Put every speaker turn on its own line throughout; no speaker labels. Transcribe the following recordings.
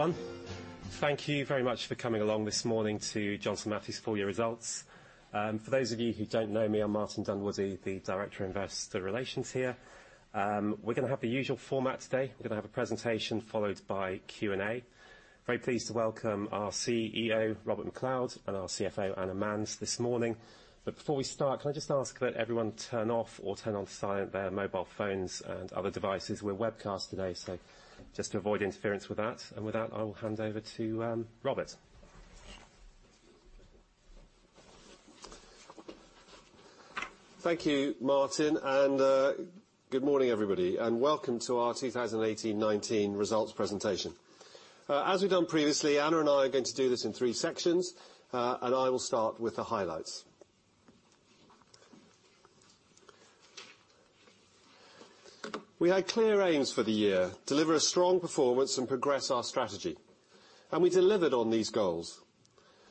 Everyone. Thank you very much for coming along this morning to Johnson Matthey's full year results. For those of you who do not know me, I am Martin Dunwoodie, the Director of Investor Relations here. We are going to have the usual format today. We are going to have a presentation followed by Q&A. Very pleased to welcome our CEO, Robert MacLeod, and our CFO, Anna Manz, this morning. Before we start, can I just ask that everyone turn off or turn on silent their mobile phones and other devices. We are webcast today, just to avoid interference with that. With that, I will hand over to Robert.
Thank you, Martin. Good morning, everybody. Welcome to our 2018/19 results presentation. As we have done previously, Anna and I are going to do this in three sections. I will start with the highlights. We had clear aims for the year, deliver a strong performance and progress our strategy. We delivered on these goals.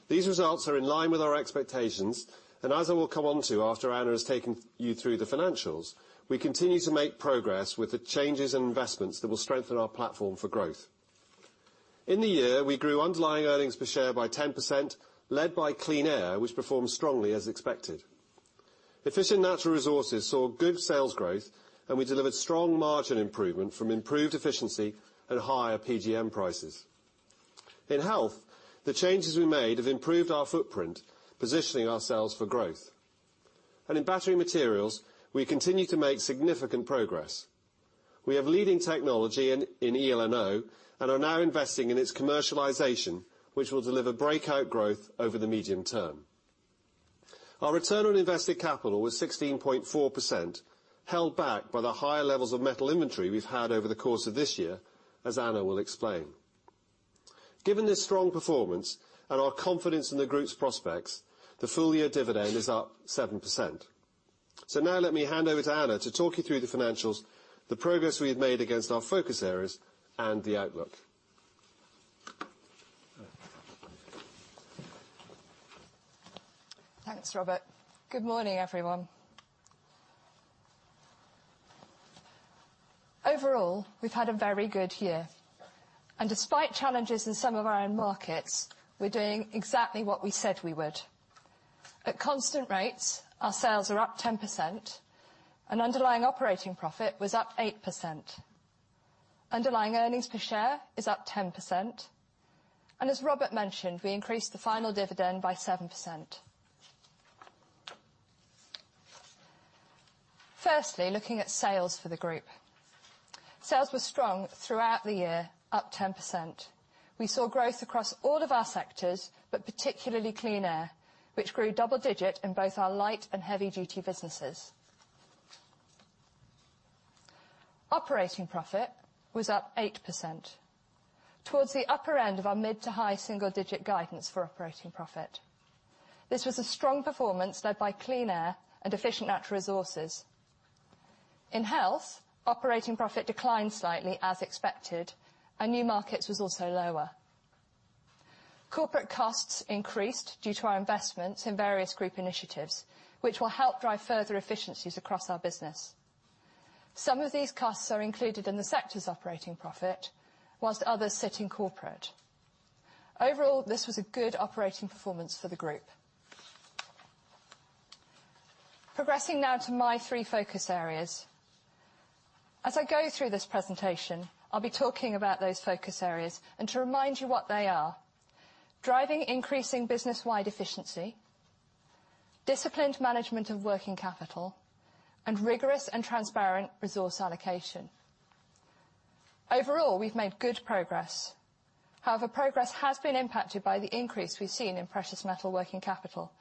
These results are in line with our expectations, and as I will come on to after Anna has taken you through the financials, we continue to make progress with the changes and investments that will strengthen our platform for growth. In the year, we grew underlying earnings per share by 10%, led by Clean Air, which performed strongly as expected. Efficient Natural Resources saw good sales growth, and we delivered strong margin improvement from improved efficiency and higher PGM prices. In Health, the changes we made have improved our footprint, positioning ourselves for growth. In Battery Materials, we continue to make significant progress. We have leading technology in eLNO and are now investing in its commercialization, which will deliver breakout growth over the medium term. Our return on invested capital was 16.4%, held back by the higher levels of metal inventory we've had over the course of this year, as Anna will explain. Given this strong performance and our confidence in the group's prospects, the full year dividend is up 7%. Now let me hand over to Anna to talk you through the financials, the progress we have made against our focus areas, and the outlook.
Thanks, Robert. Good morning, everyone. Overall, we've had a very good year. Despite challenges in some of our own markets, we are doing exactly what we said we would. At constant rates, our sales are up 10% and underlying operating profit was up 8%. Underlying earnings per share is up 10%. As Robert mentioned, we increased the final dividend by 7%. Firstly, looking at sales for the group. Sales were strong throughout the year, up 10%. We saw growth across all of our sectors, but particularly Clean Air, which grew double digit in both our light and heavy duty businesses. Operating profit was up 8%, towards the upper end of our mid to high single digit guidance for operating profit. This was a strong performance led by Clean Air and Efficient Natural Resources. In Health, operating profit declined slightly as expected, and New Markets was also lower. Corporate costs increased due to our investment in various group initiatives, which will help drive further efficiencies across our business. Some of these costs are included in the sector's operating profit, while others sit in corporate. Overall, this was a good operating performance for the group. Progressing now to my three focus areas. As I go through this presentation, I'll be talking about those focus areas, to remind you what they are. Driving increasing business-wide efficiency, disciplined management of working capital, and rigorous and transparent resource allocation. Overall, we've made good progress. However, progress has been impacted by the increase we've seen in precious metal working capital,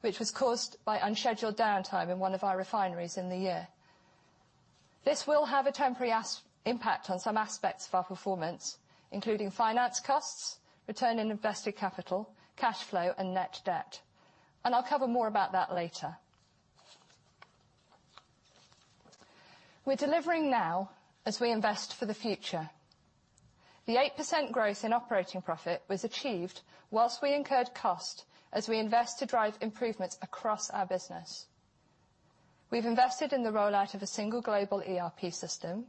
which was caused by unscheduled downtime in one of our refineries in the year. This will have a temporary impact on some aspects of our performance, including finance costs, return on invested capital, cash flow, and net debt. I'll cover more about that later. We're delivering now as we invest for the future. The 8% growth in operating profit was achieved while we incurred costs as we invest to drive improvements across our business. We've invested in the rollout of a single global ERP system,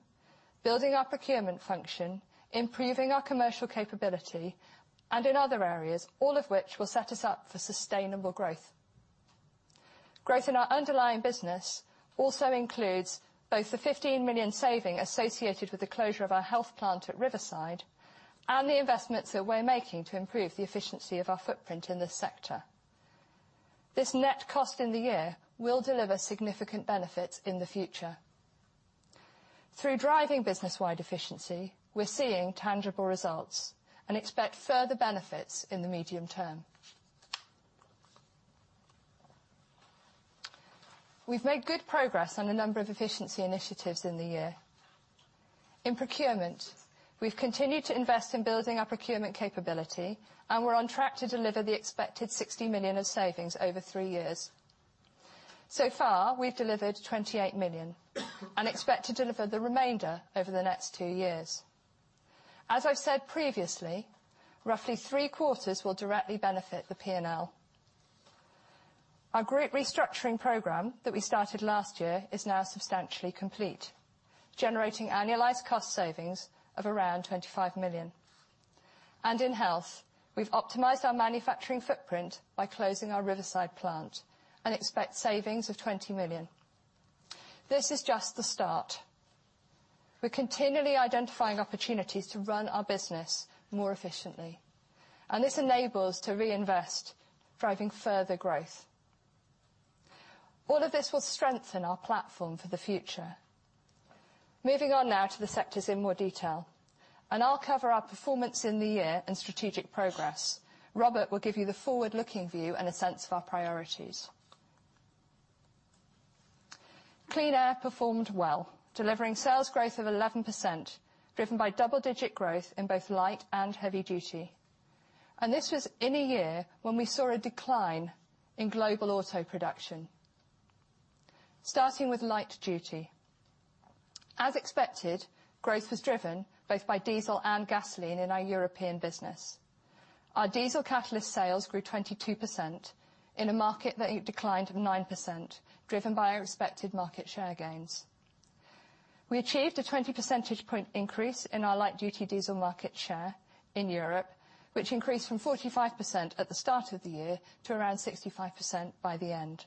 building our procurement function, improving our commercial capability and in other areas, all of which will set us up for sustainable growth. Growth in our underlying business also includes both the 15 million saving associated with the closure of our Health plant at Riverside and the investments that we're making to improve the efficiency of our footprint in this sector. This net cost in the year will deliver significant benefits in the future. Through driving business-wide efficiency, we're seeing tangible results and expect further benefits in the medium term. We've made good progress on a number of efficiency initiatives in the year. In procurement, we've continued to invest in building our procurement capability, and we're on track to deliver the expected 60 million of savings over three years. So far, we've delivered 28 million and expect to deliver the remainder over the next two years. As I've said previously, roughly three quarters will directly benefit the P&L. Our group restructuring program that we started last year is now substantially complete, generating annualized cost savings of around 25 million. In Health, we've optimized our manufacturing footprint by closing our Riverside plant and expect savings of 20 million. This is just the start. We're continually identifying opportunities to run our business more efficiently, and this enables us to reinvest, driving further growth. All of this will strengthen our platform for the future. Moving on now to the sectors in more detail, I'll cover our performance in the year and strategic progress. Robert will give you the forward-looking view and a sense of our priorities. Clean Air performed well, delivering sales growth of 11%, driven by double-digit growth in both light and heavy duty. This was in a year when we saw a decline in global auto production. Starting with light duty. As expected, growth was driven both by diesel and gasoline in our European business. Our diesel catalyst sales grew 22% in a market that declined 9%, driven by our expected market share gains. We achieved a 20 percentage point increase in our light-duty diesel market share in Europe, which increased from 45% at the start of the year to around 65% by the end.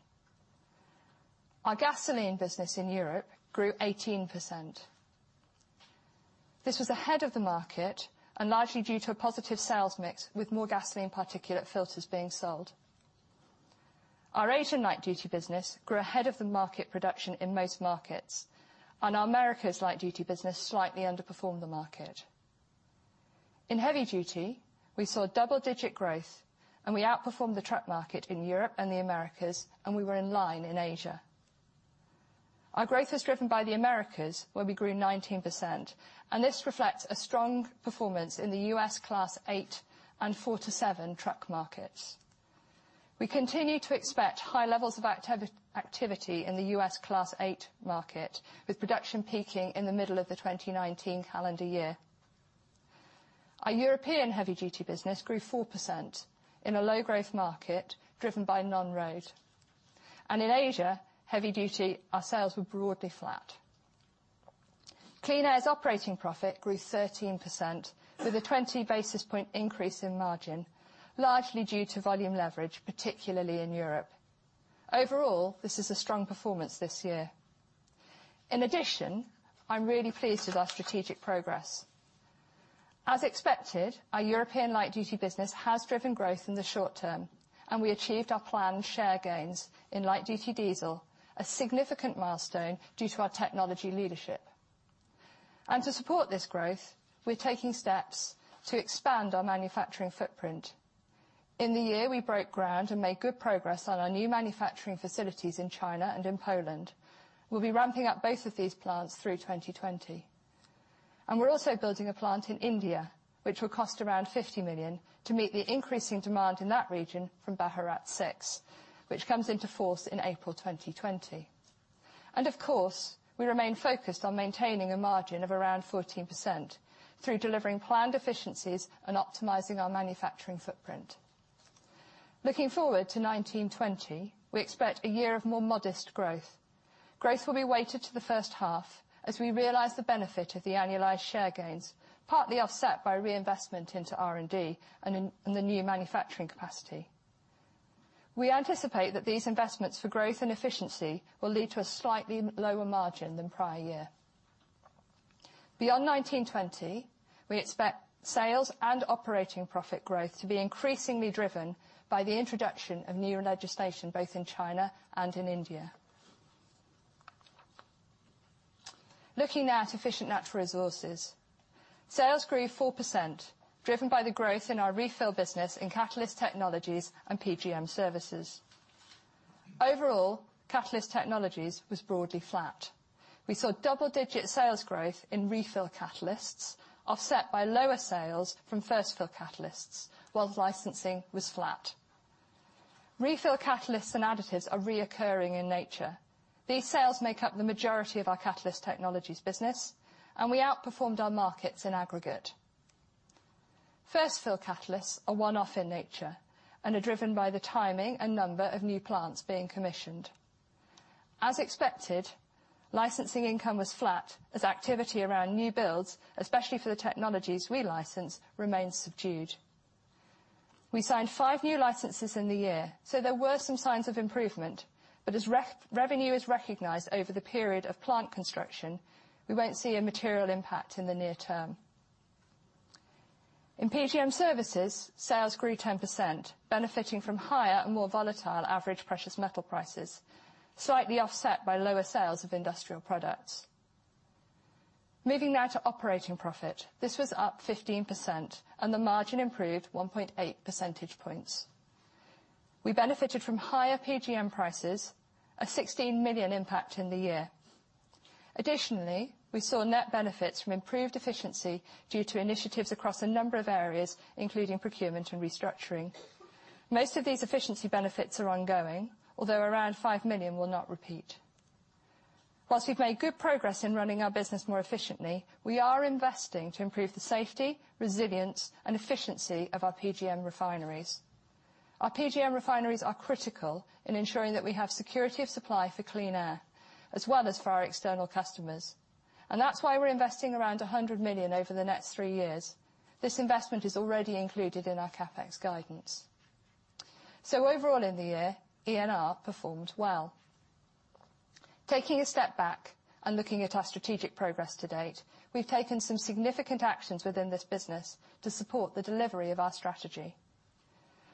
Our gasoline business in Europe grew 18%. This was ahead of the market and largely due to a positive sales mix, with more gasoline particulate filters being sold. Our Asian light duty business grew ahead of the market production in most markets. Our Americas light duty business slightly underperformed the market. In heavy duty, we saw double-digit growth. We outperformed the truck market in Europe and the Americas. We were in line in Asia. Our growth was driven by the Americas, where we grew 19%. This reflects a strong performance in the U.S. Class 8 and 4-7 truck markets. We continue to expect high levels of activity in the U.S. Class 8 market, with production peaking in the middle of the 2019 calendar year. Our European heavy duty business grew 4% in a low-growth market driven by non-road. In Asia, heavy duty, our sales were broadly flat. Clean Air's operating profit grew 13% with a 20 basis point increase in margin, largely due to volume leverage, particularly in Europe. Overall, this is a strong performance this year. In addition, I'm really pleased with our strategic progress. As expected, our European light duty business has driven growth in the short term. We achieved our planned share gains in light duty diesel, a significant milestone due to our technology leadership. To support this growth, we're taking steps to expand our manufacturing footprint. In the year, we broke ground and made good progress on our new manufacturing facilities in China and in Poland. We'll be ramping up both of these plants through 2020. We're also building a plant in India, which will cost around 50 million, to meet the increasing demand in that region from Bharat VI, which comes into force in April 2020. Of course, we remain focused on maintaining a margin of around 14% through delivering planned efficiencies and optimizing our manufacturing footprint. Looking forward to 19/20, we expect a year of more modest growth. Growth will be weighted to the first half as we realize the benefit of the annualized share gains, partly offset by reinvestment into R&D and the new manufacturing capacity. We anticipate that these investments for growth and efficiency will lead to a slightly lower margin than prior year. Beyond 19/20, we expect sales and operating profit growth to be increasingly driven by the introduction of newer legislation both in China and in India. Looking now at Efficient Natural Resources. Sales grew 4%, driven by the growth in our refill business in Catalyst Technologies and PGM Services. Overall, Catalyst Technologies was broadly flat. We saw double-digit sales growth in refill catalysts, offset by lower sales from first-fill catalysts, whilst licensing was flat. Refill catalysts and additives are reoccurring in nature. These sales make up the majority of our Catalyst Technologies business. We outperformed our markets in aggregate. First-fill catalysts are one-off in nature and are driven by the timing and number of new plants being commissioned. As expected, licensing income was flat as activity around new builds, especially for the technologies we license, remained subdued. We signed five new licenses in the year. There were some signs of improvement, but as revenue is recognized over the period of plant construction, we won't see a material impact in the near term. In PGM Services, sales grew 10%, benefiting from higher and more volatile average precious metal prices, slightly offset by lower sales of industrial products. Moving now to operating profit. This was up 15%. The margin improved 1.8 percentage points. We benefited from higher PGM prices, a 16 million impact in the year. Additionally, we saw net benefits from improved efficiency due to initiatives across a number of areas, including procurement and restructuring. Most of these efficiency benefits are ongoing, although around 5 million will not repeat. Whilst we've made good progress in running our business more efficiently, we are investing to improve the safety, resilience, and efficiency of our PGM refineries. Our PGM refineries are critical in ensuring that we have security of supply for Clean Air, as well as for our external customers, and that's why we're investing around 100 million over the next three years. This investment is already included in our CapEx guidance. Overall in the year, ENR performed well. Taking a step back and looking at our strategic progress to date, we've taken some significant actions within this business to support the delivery of our strategy.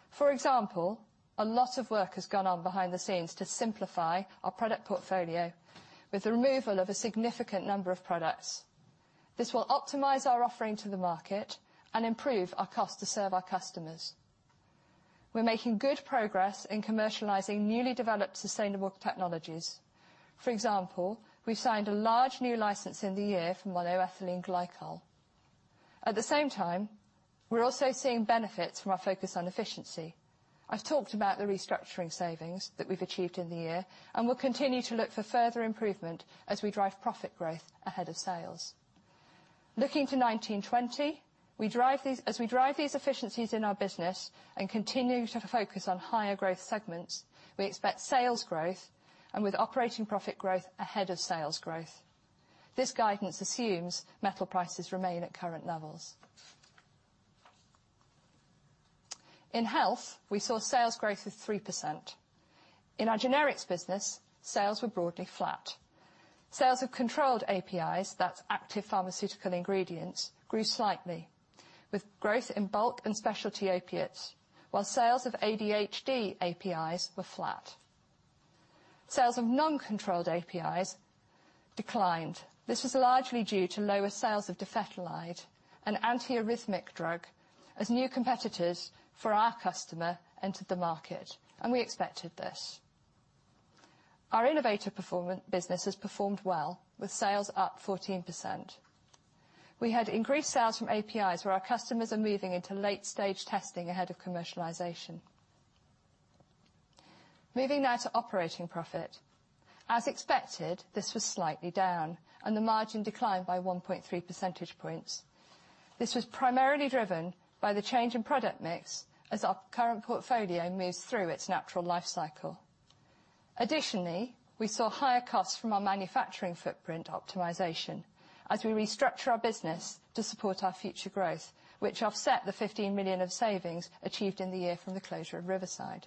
For example, a lot of work has gone on behind the scenes to simplify our product portfolio with the removal of a significant number of products. This will optimize our offering to the market and improve our cost to serve our customers. We're making good progress in commercializing newly developed sustainable technologies. For example, we've signed a large new license in the year for monoethylene glycol. At the same time, we're also seeing benefits from our focus on efficiency. I've talked about the restructuring savings that we've achieved in the year, and will continue to look for further improvement as we drive profit growth ahead of sales. Looking to 2019/2020, as we drive these efficiencies in our business and continue to focus on higher growth segments, we expect sales growth and with operating profit growth ahead of sales growth. This guidance assumes metal prices remain at current levels. In Health, we saw sales growth of 3%. In our generics business, sales were broadly flat. Sales of controlled APIs, that's active pharmaceutical ingredients, grew slightly, with growth in bulk and specialty opiates, while sales of ADHD APIs were flat. Sales of non-controlled APIs declined. This was largely due to lower sales of dofetilide, an anti-arrhythmic drug, as new competitors for our customer entered the market. We expected this. Our innovative business has performed well, with sales up 14%. We had increased sales from APIs where our customers are moving into late-stage testing ahead of commercialization. Moving now to operating profit. As expected, this was slightly down, and the margin declined by 1.3 percentage points. This was primarily driven by the change in product mix as our current portfolio moves through its natural life cycle. Additionally, we saw higher costs from our manufacturing footprint optimization as we restructure our business to support our future growth, which offset the 15 million of savings achieved in the year from the closure of Riverside.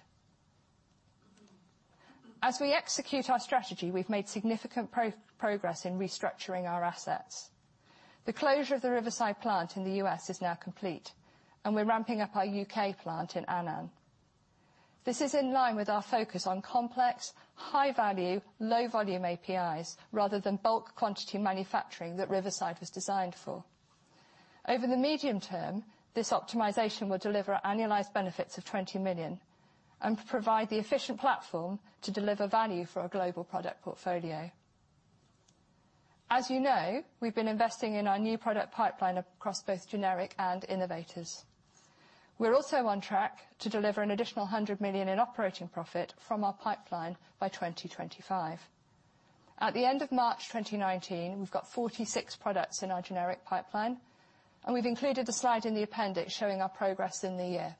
As we execute our strategy, we've made significant progress in restructuring our assets. The closure of the Riverside plant in the U.S. is now complete, and we're ramping up our U.K. plant in Annan. This is in line with our focus on complex, high-value, low-volume APIs rather than bulk quantity manufacturing that Riverside was designed for. Over the medium term, this optimization will deliver annualized benefits of 20 million and provide the efficient platform to deliver value for our global product portfolio. As you know, we've been investing in our new product pipeline across both generic and innovators. We're also on track to deliver an additional 100 million in operating profit from our pipeline by 2025. At the end of March 2019, we've got 46 products in our generic pipeline, and we've included a slide in the appendix showing our progress in the year.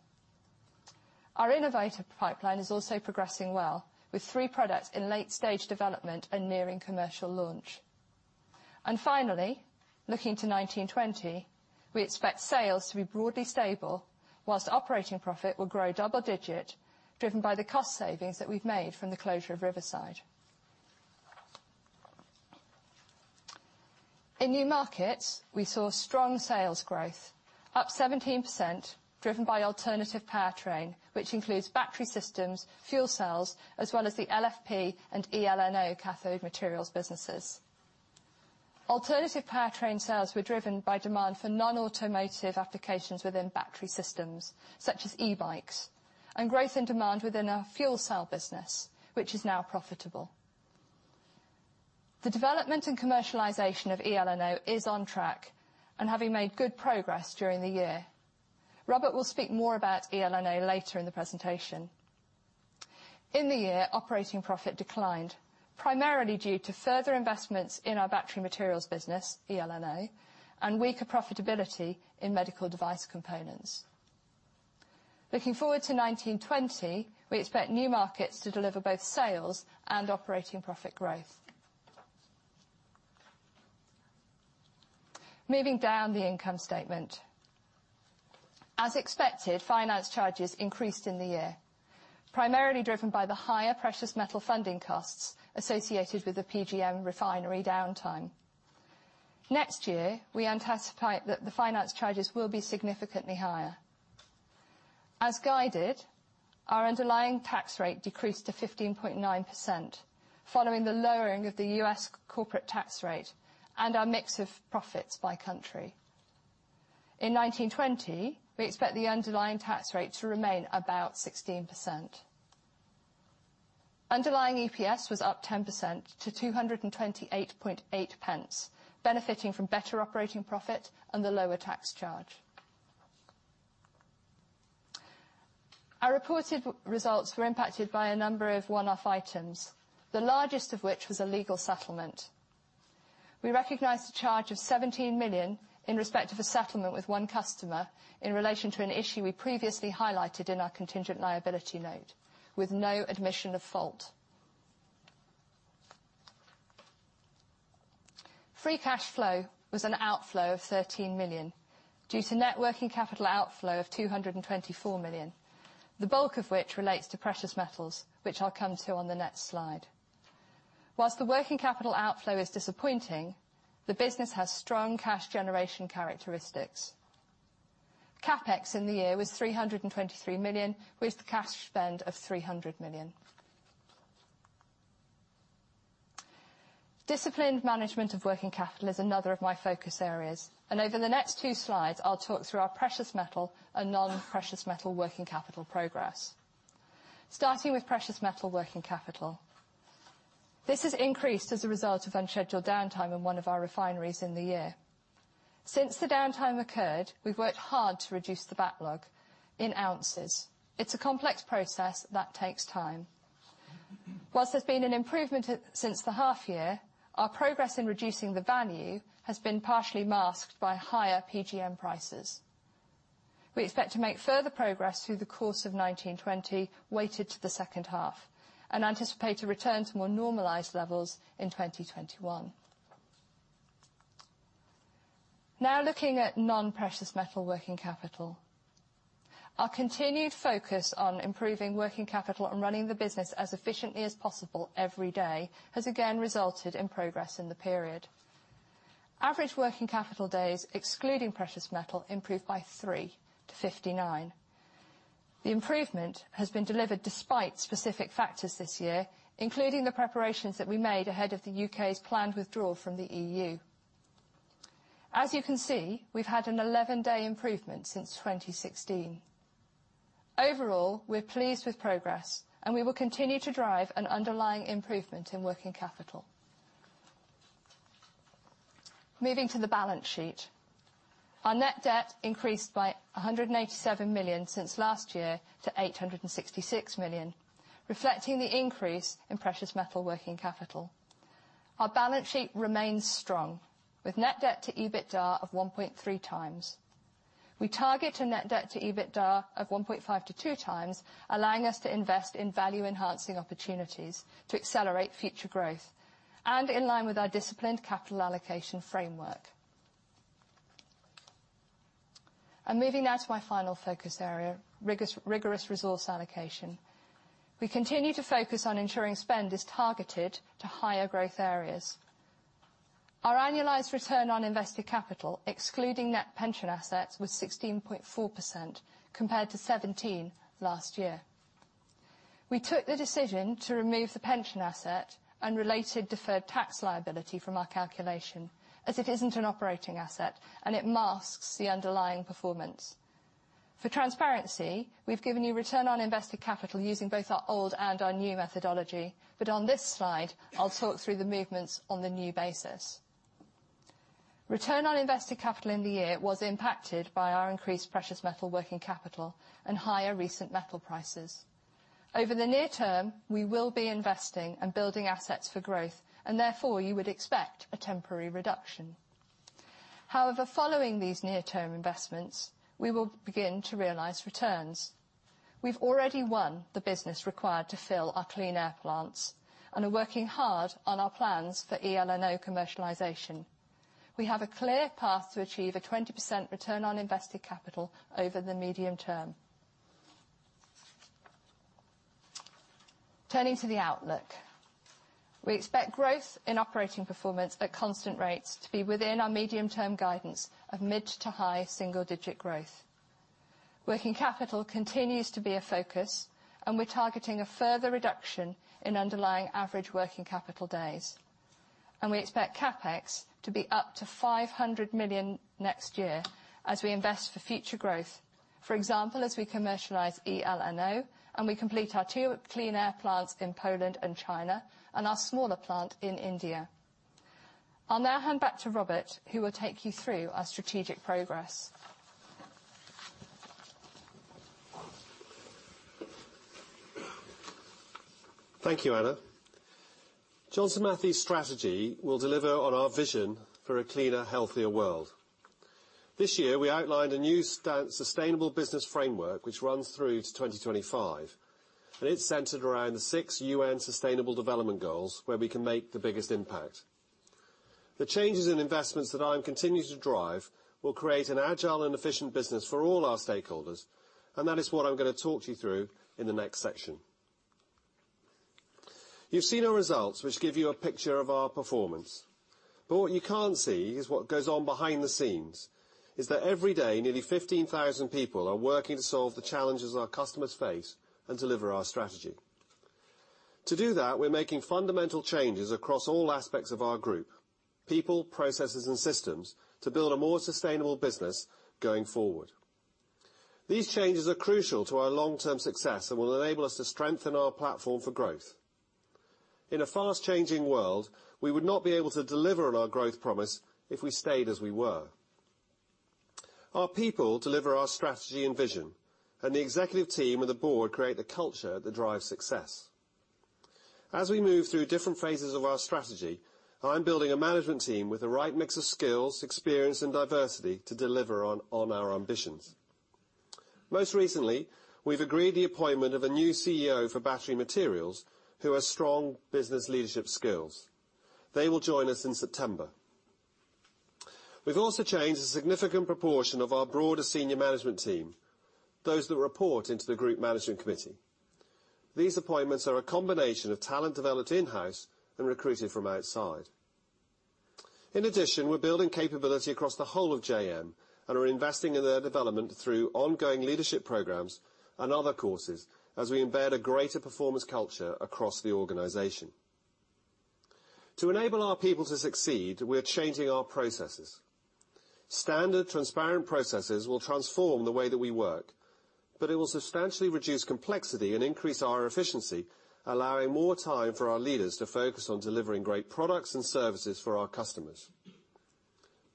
Our innovative pipeline is also progressing well, with three products in late-stage development and nearing commercial launch. Finally, looking to 19/20, we expect sales to be broadly stable whilst operating profit will grow double digit, driven by the cost savings that we've made from the closure of Riverside. In new markets, we saw strong sales growth, up 17%, driven by alternative powertrain, which includes battery systems, fuel cells, as well as the LFP and eLNO cathode materials businesses. Alternative powertrain sales were driven by demand for non-automotive applications within battery systems, such as e-bikes, and growth in demand within our fuel cell business, which is now profitable. The development and commercialization of eLNO is on track having made good progress during the year. Robert will speak more about eLNO later in the presentation. In the year, operating profit declined, primarily due to further investments in our Battery Materials business, eLNO, and weaker profitability in medical device components. Looking forward to 19/20, we expect new markets to deliver both sales and operating profit growth. Moving down the income statement. As expected, finance charges increased in the year, primarily driven by the higher precious metal funding costs associated with the PGM refinery downtime. Next year, we anticipate that the finance charges will be significantly higher. As guided, our underlying tax rate decreased to 15.9% following the lowering of the U.S. corporate tax rate and our mix of profits by country. In 19/20, we expect the underlying tax rate to remain about 16%. Underlying EPS was up 10% to 2.288, benefiting from better operating profit and the lower tax charge. Our reported results were impacted by a number of one-off items, the largest of which was a legal settlement. We recognized a charge of 17 million in respect of a settlement with one customer in relation to an issue we previously highlighted in our contingent liability note, with no admission of fault. Free cash flow was an outflow of 13 million due to net working capital outflow of 224 million, the bulk of which relates to precious metals, which I'll come to on the next slide. Whilst the working capital outflow is disappointing, the business has strong cash generation characteristics. CapEx in the year was 323 million, with a cash spend of 300 million. Disciplined management of working capital is another of my focus areas, and over the next two slides, I'll talk through our precious metal and non-precious metal working capital progress. Starting with precious metal working capital. This has increased as a result of unscheduled downtime in one of our refineries in the year. Since the downtime occurred, we've worked hard to reduce the backlog in ounces. It's a complex process that takes time. Whilst there's been an improvement since the half year, our progress in reducing the value has been partially masked by higher PGM prices. We expect to make further progress through the course of 19/20, weighted to the second half, and anticipate a return to more normalized levels in 2021. Looking at non-precious metal working capital. Our continued focus on improving working capital and running the business as efficiently as possible every day has again resulted in progress in the period. Average working capital days, excluding precious metal, improved by three to 59. The improvement has been delivered despite specific factors this year, including the preparations that we made ahead of the U.K.'s planned withdrawal from the EU. You can see, we've had an 11-day improvement since 2016. Overall, we're pleased with progress, and we will continue to drive an underlying improvement in working capital. Moving to the balance sheet. Our net debt increased by 187 million since last year to 866 million, reflecting the increase in precious metal working capital. Our balance sheet remains strong, with net debt to EBITDA of 1.3 times. We target a net debt to EBITDA of 1.5 to two times, allowing us to invest in value-enhancing opportunities to accelerate future growth, in line with our disciplined capital allocation framework. I'm moving now to my final focus area, rigorous resource allocation. We continue to focus on ensuring spend is targeted to higher growth areas. Our annualized return on invested capital, excluding net pension assets, was 16.4% compared to 17 last year. We took the decision to remove the pension asset and related deferred tax liability from our calculation, as it isn't an operating asset and it masks the underlying performance. For transparency, we've given you return on invested capital using both our old and our new methodology. On this slide, I'll talk through the movements on the new basis. Return on invested capital in the year was impacted by our increased precious metal working capital and higher recent metal prices. Over the near term, we will be investing and building assets for growth, therefore, you would expect a temporary reduction. However, following these near-term investments, we will begin to realize returns. We've already won the business required to fill our Clean Air plants and are working hard on our plans for eLNO commercialization. We have a clear path to achieve a 20% return on invested capital over the medium term. Turning to the outlook. We expect growth in operating performance at constant rates to be within our medium-term guidance of mid to high single-digit growth. Working capital continues to be a focus, we're targeting a further reduction in underlying average working capital days. We expect CapEx to be up to 500 million next year as we invest for future growth. For example, as we commercialize eLNO and we complete our two Clean Air plants in Poland and China, and our smaller plant in India. I'll now hand back to Robert, who will take you through our strategic progress.
Thank you, Anna. Johnson Matthey's strategy will deliver on our vision for a cleaner, healthier world. This year, we outlined a new Sustainable Business Framework which runs through to 2025. It's centered around the six UN Sustainable Development Goals where we can make the biggest impact. The changes and investments that I am continuing to drive will create an agile and efficient business for all our stakeholders. That is what I'm going to talk to you through in the next section. You've seen our results, which give you a picture of our performance. What you can't see is what goes on behind the scenes, is that every day, nearly 15,000 people are working to solve the challenges our customers face and deliver our strategy. To do that, we're making fundamental changes across all aspects of our group, people, processes, and systems, to build a more sustainable business going forward. These changes are crucial to our long-term success and will enable us to strengthen our platform for growth. In a fast-changing world, we would not be able to deliver on our growth promise if we stayed as we were. The executive team and the board create the culture that drives success. As we move through different phases of our strategy, I'm building a management team with the right mix of skills, experience, and diversity to deliver on our ambitions. Most recently, we've agreed the appointment of a new CEO for Battery Materials who has strong business leadership skills. They will join us in September. We've also changed a significant proportion of our broader senior management team, those that report into the Group Management Committee. These appointments are a combination of talent developed in-house and recruited from outside. In addition, we're building capability across the whole of JM and are investing in their development through ongoing leadership programs and other courses as we embed a greater performance culture across the organization. To enable our people to succeed, we are changing our processes. Standard transparent processes will transform the way that we work. It will substantially reduce complexity and increase our efficiency, allowing more time for our leaders to focus on delivering great products and services for our customers.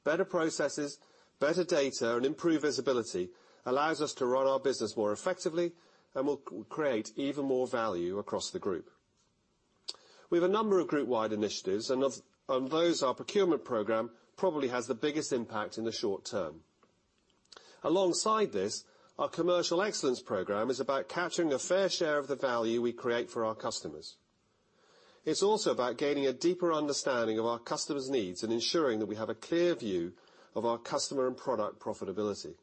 Better processes, better data, improved visibility allows us to run our business more effectively and will create even more value across the group. We have a number of group-wide initiatives. Of those, our procurement program probably has the biggest impact in the short term. Alongside this, our Commercial Excellence Program is about capturing a fair share of the value we create for our customers. It's also about gaining a deeper understanding of our customers' needs and ensuring that we have a clear view of our customer and product profitability.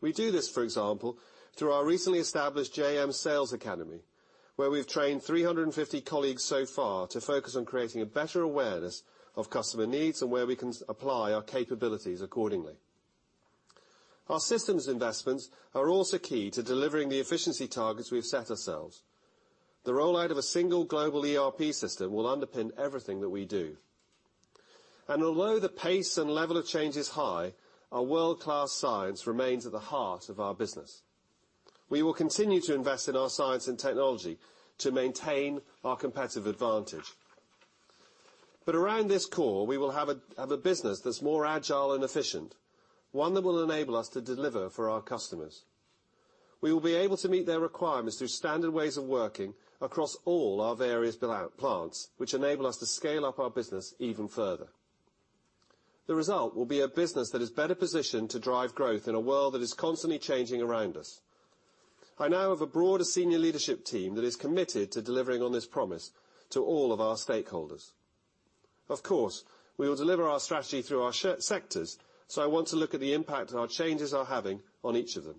We do this, for example, through our recently established JM Sales Academy, where we've trained 350 colleagues so far to focus on creating a better awareness of customer needs and where we can apply our capabilities accordingly. Our systems investments are also key to delivering the efficiency targets we've set ourselves. The rollout of a single global ERP system will underpin everything that we do. Although the pace and level of change is high, our world-class science remains at the heart of our business. We will continue to invest in our science and technology to maintain our competitive advantage. Around this core, we will have a business that's more agile and efficient, one that will enable us to deliver for our customers. We will be able to meet their requirements through standard ways of working across all our various plants, which enable us to scale up our business even further. The result will be a business that is better positioned to drive growth in a world that is constantly changing around us. I now have a broader senior leadership team that is committed to delivering on this promise to all of our stakeholders. Of course, we will deliver our strategy through our sectors, I want to look at the impact our changes are having on each of them.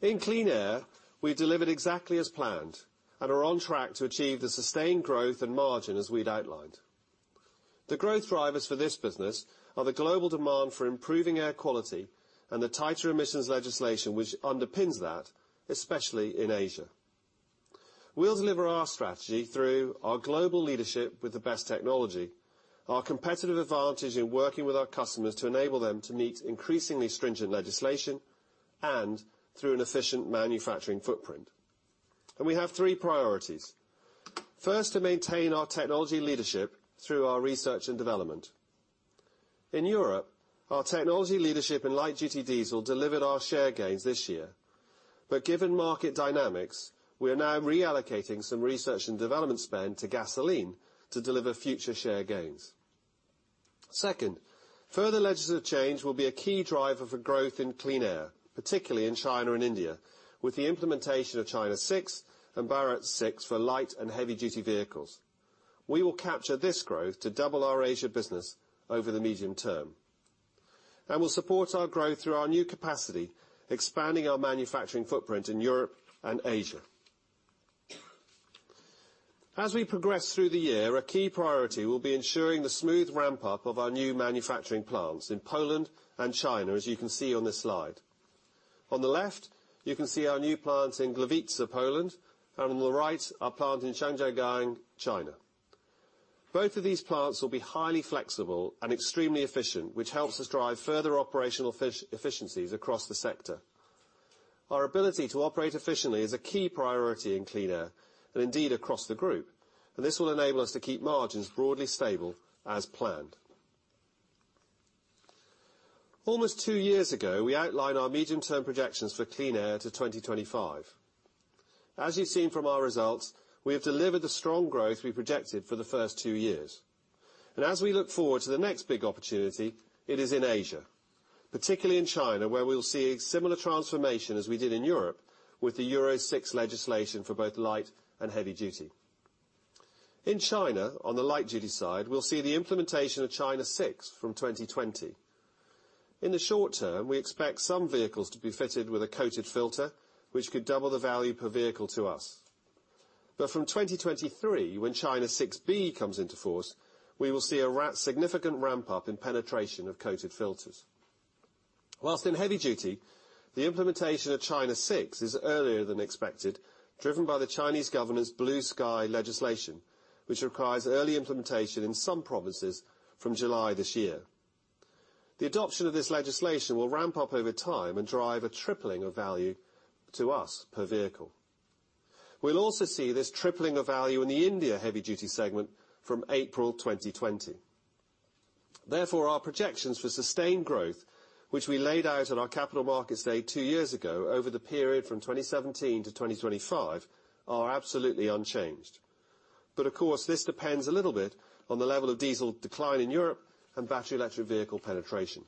In Clean Air, we've delivered exactly as planned and are on track to achieve the sustained growth and margin as we'd outlined. The growth drivers for this business are the global demand for improving air quality and the tighter emissions legislation which underpins that, especially in Asia. We'll deliver our strategy through our global leadership with the best technology, our competitive advantage in working with our customers to enable them to meet increasingly stringent legislation, and through an efficient manufacturing footprint. We have three priorities. First, to maintain our technology leadership through our research and development. In Europe, our technology leadership in light-duty diesel delivered our share gains this year. Given market dynamics, we are now reallocating some research and development spend to gasoline to deliver future share gains. Second, further legislative change will be a key driver for growth in Clean Air, particularly in China and India, with the implementation of China VI and Bharat VI for light and heavy-duty vehicles. We will capture this growth to double our Asia business over the medium term. We'll support our growth through our new capacity, expanding our manufacturing footprint in Europe and Asia. As we progress through the year, a key priority will be ensuring the smooth ramp-up of our new manufacturing plants in Poland and China, as you can see on this slide. On the left, you can see our new plant in Gliwice, Poland, and on the right, our plant in Zhangjiagang, China. Both of these plants will be highly flexible and extremely efficient, which helps us drive further operational efficiencies across the sector. Our ability to operate efficiently is a key priority in Clean Air, and indeed across the group, and this will enable us to keep margins broadly stable as planned. Almost two years ago, we outlined our medium-term projections for Clean Air to 2025. As you've seen from our results, we have delivered the strong growth we projected for the first two years. As we look forward to the next big opportunity, it is in Asia, particularly in China, where we'll see a similar transformation as we did in Europe with the Euro 6 legislation for both light and heavy duty. In China, on the light-duty side, we'll see the implementation of China VI from 2020. In the short term, we expect some vehicles to be fitted with a coated filter, which could double the value per vehicle to us. From 2023, when China 6b comes into force, we will see a significant ramp-up in penetration of coated filters. Whilst in heavy duty, the implementation of China VI is earlier than expected, driven by the Chinese government's Blue Sky legislation, which requires early implementation in some provinces from July this year. The adoption of this legislation will ramp up over time and drive a tripling of value to us per vehicle. We'll also see this tripling of value in the India heavy-duty segment from April 2020. Therefore, our projections for sustained growth, which we laid out at our capital markets day two years ago over the period from 2017 to 2025, are absolutely unchanged. Of course, this depends a little bit on the level of diesel decline in Europe and battery electric vehicle penetration.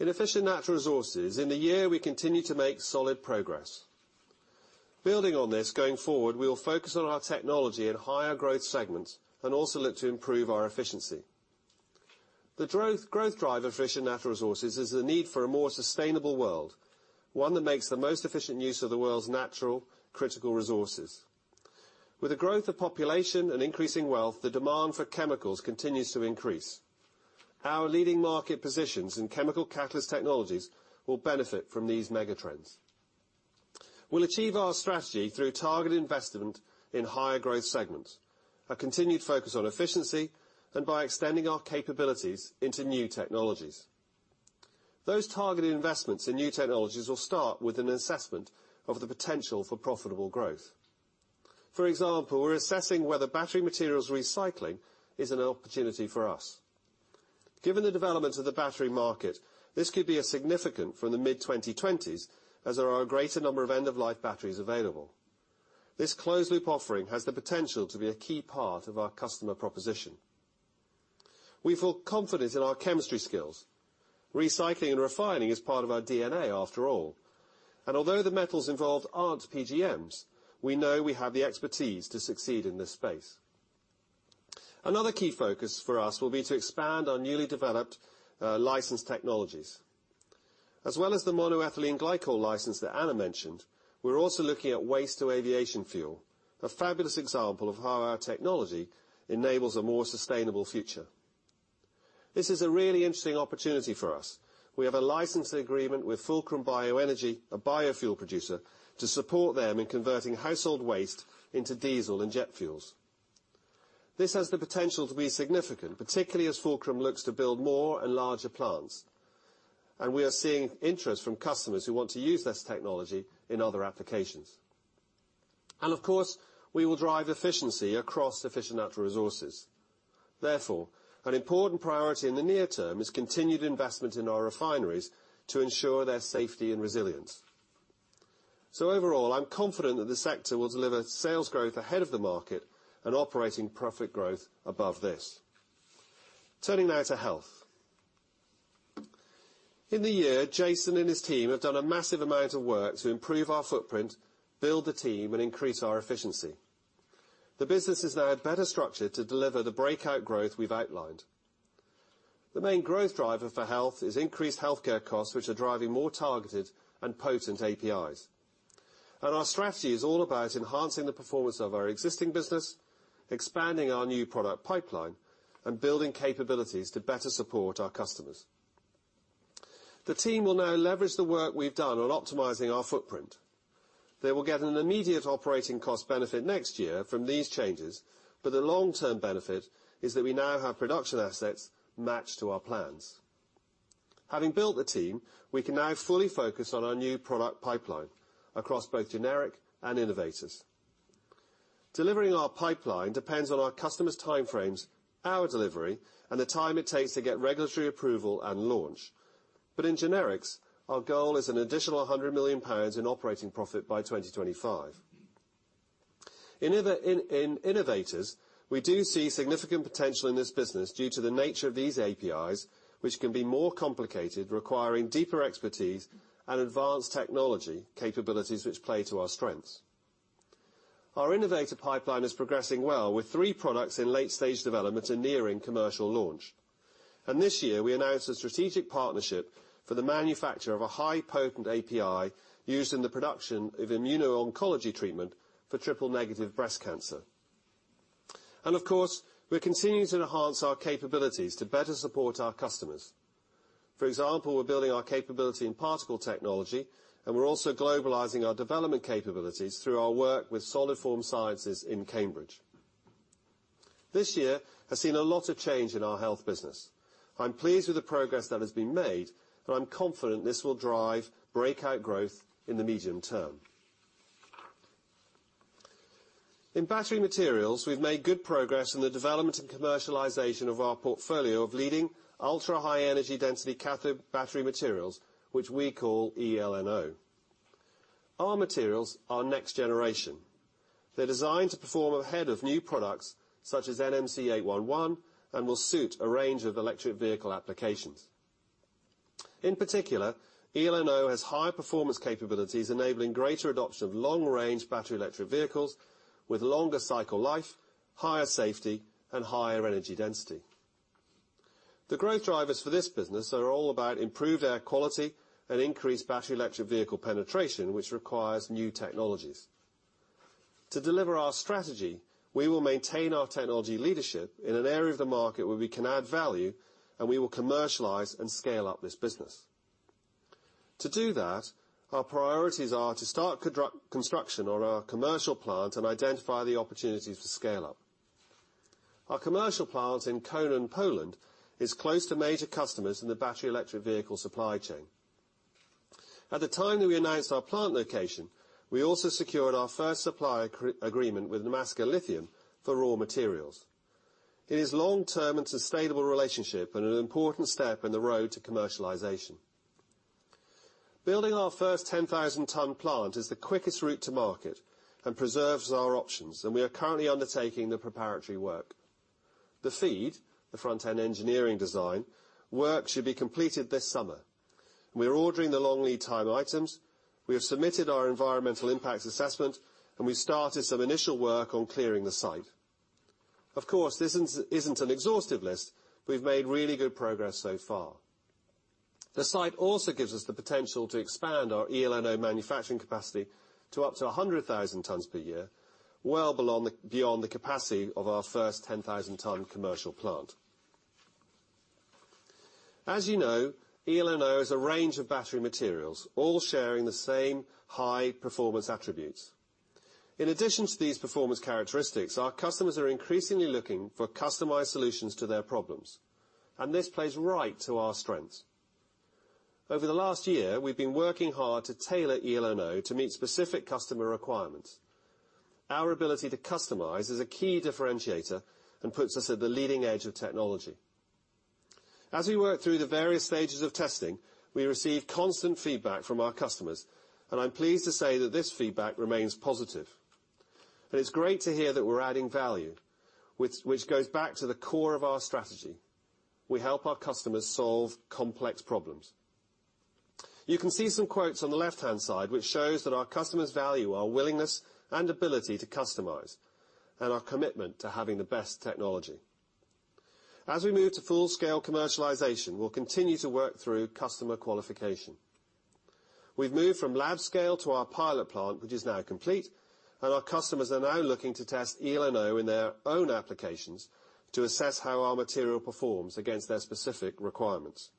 In Efficient Natural Resources, in the year, we continued to make solid progress. Building on this going forward, we will focus on our technology in higher growth segments and also look to improve our efficiency. The growth driver for Efficient Natural Resources is the need for a more sustainable world, one that makes the most efficient use of the world's natural critical resources. With the growth of population and increasing wealth, the demand for chemicals continues to increase. Our leading market positions in chemical catalyst technologies will benefit from these mega trends. We'll achieve our strategy through targeted investment in higher growth segments, a continued focus on efficiency, and by extending our capabilities into new technologies. Those targeted investments in new technologies will start with an assessment of the potential for profitable growth. For example, we're assessing whether battery materials recycling is an opportunity for us. Given the development of the battery market, this could be significant from the mid-2020s, as there are a greater number of end-of-life batteries available. This closed-loop offering has the potential to be a key part of our customer proposition. We feel confident in our chemistry skills. Recycling and refining is part of our DNA, after all. Although the metals involved aren't PGMs, we know we have the expertise to succeed in this space. Another key focus for us will be to expand our newly developed licensed technologies. As well as the monoethylene glycol license that Anna mentioned, we're also looking at waste to aviation fuel, a fabulous example of how our technology enables a more sustainable future. This is a really interesting opportunity for us. We have a licensing agreement with Fulcrum BioEnergy, a biofuel producer, to support them in converting household waste into diesel and jet fuels. This has the potential to be significant, particularly as Fulcrum looks to build more and larger plants, and we are seeing interest from customers who want to use this technology in other applications. Of course, we will drive efficiency across Efficient Natural Resources. Therefore, an important priority in the near term is continued investment in our refineries to ensure their safety and resilience. Overall, I'm confident that the sector will deliver sales growth ahead of the market and operating profit growth above this. Turning now to Health. In the year, Jason and his team have done a massive amount of work to improve our footprint, build the team, and increase our efficiency. The business is now better structured to deliver the breakout growth we've outlined. The main growth driver for Health is increased healthcare costs, which are driving more targeted and potent APIs. Our strategy is all about enhancing the performance of our existing business, expanding our new product pipeline, and building capabilities to better support our customers. The team will now leverage the work we've done on optimizing our footprint. They will get an immediate operating cost benefit next year from these changes. The long-term benefit is that we now have production assets matched to our plans. Having built the team, we can now fully focus on our new product pipeline across both generic and innovators. Delivering our pipeline depends on our customers' time frames, our delivery, and the time it takes to get regulatory approval and launch. In generics, our goal is an additional 100 million pounds in operating profit by 2025. In innovators, we do see significant potential in this business due to the nature of these APIs, which can be more complicated, requiring deeper expertise and advanced technology capabilities which play to our strengths. Our innovator pipeline is progressing well with three products in late-stage development and nearing commercial launch. This year, we announced a strategic partnership for the manufacture of a high-potent API used in the production of immuno-oncology treatment for triple-negative breast cancer. Of course, we're continuing to enhance our capabilities to better support our customers. For example, we're building our capability in particle technology, and we're also globalizing our development capabilities through our work with Solid Form Sciences in Cambridge. This year has seen a lot of change in our Health business. I'm pleased with the progress that has been made, and I'm confident this will drive breakout growth in the medium term. In Battery Materials, we've made good progress in the development and commercialization of our portfolio of leading ultra-high energy density cathode battery materials, which we call eLNO. Our materials are next generation. They're designed to perform ahead of new products such as NMC811 and will suit a range of electric vehicle applications. In particular, eLNO has high performance capabilities enabling greater adoption of long-range battery electric vehicles with longer cycle life, higher safety, and higher energy density. The growth drivers for this business are all about improved air quality and increased battery electric vehicle penetration, which requires new technologies. To deliver our strategy, we will maintain our technology leadership in an area of the market where we can add value. We will commercialize and scale up this business. To do that, our priorities are to start construction on our commercial plant and identify the opportunities for scale up. Our commercial plant in Konin, Poland, is close to major customers in the battery electric vehicle supply chain. At the time that we announced our plant location, we also secured our first supply agreement with Nemaska Lithium for raw materials. It is long-term and sustainable relationship and an important step in the road to commercialization. Building our first 10,000-ton plant is the quickest route to market and preserves our options. We are currently undertaking the preparatory work. The FEED, the front-end engineering design, work should be completed this summer. We are ordering the long lead time items. We have submitted our environmental impact assessment, and we started some initial work on clearing the site. Of course, this isn't an exhaustive list. We've made really good progress so far. The site also gives us the potential to expand our eLNO manufacturing capacity to up to 100,000 tons per year, well beyond the capacity of our first 10,000-ton commercial plant. As you know, eLNO is a range of battery materials, all sharing the same high-performance attributes. In addition to these performance characteristics, our customers are increasingly looking for customized solutions to their problems, and this plays right to our strengths. Over the last year, we've been working hard to tailor eLNO to meet specific customer requirements. Our ability to customize is a key differentiator and puts us at the leading edge of technology. As we work through the various stages of testing, we receive constant feedback from our customers. I'm pleased to say that this feedback remains positive. It's great to hear that we're adding value, which goes back to the core of our strategy. We help our customers solve complex problems. You can see some quotes on the left-hand side, which shows that our customers value our willingness and ability to customize, and our commitment to having the best technology. As we move to full-scale commercialization, we'll continue to work through customer qualification. We've moved from lab scale to our pilot plant, which is now complete, and our customers are now looking to test eLNO in their own applications to assess how our material performs against their specific requirements.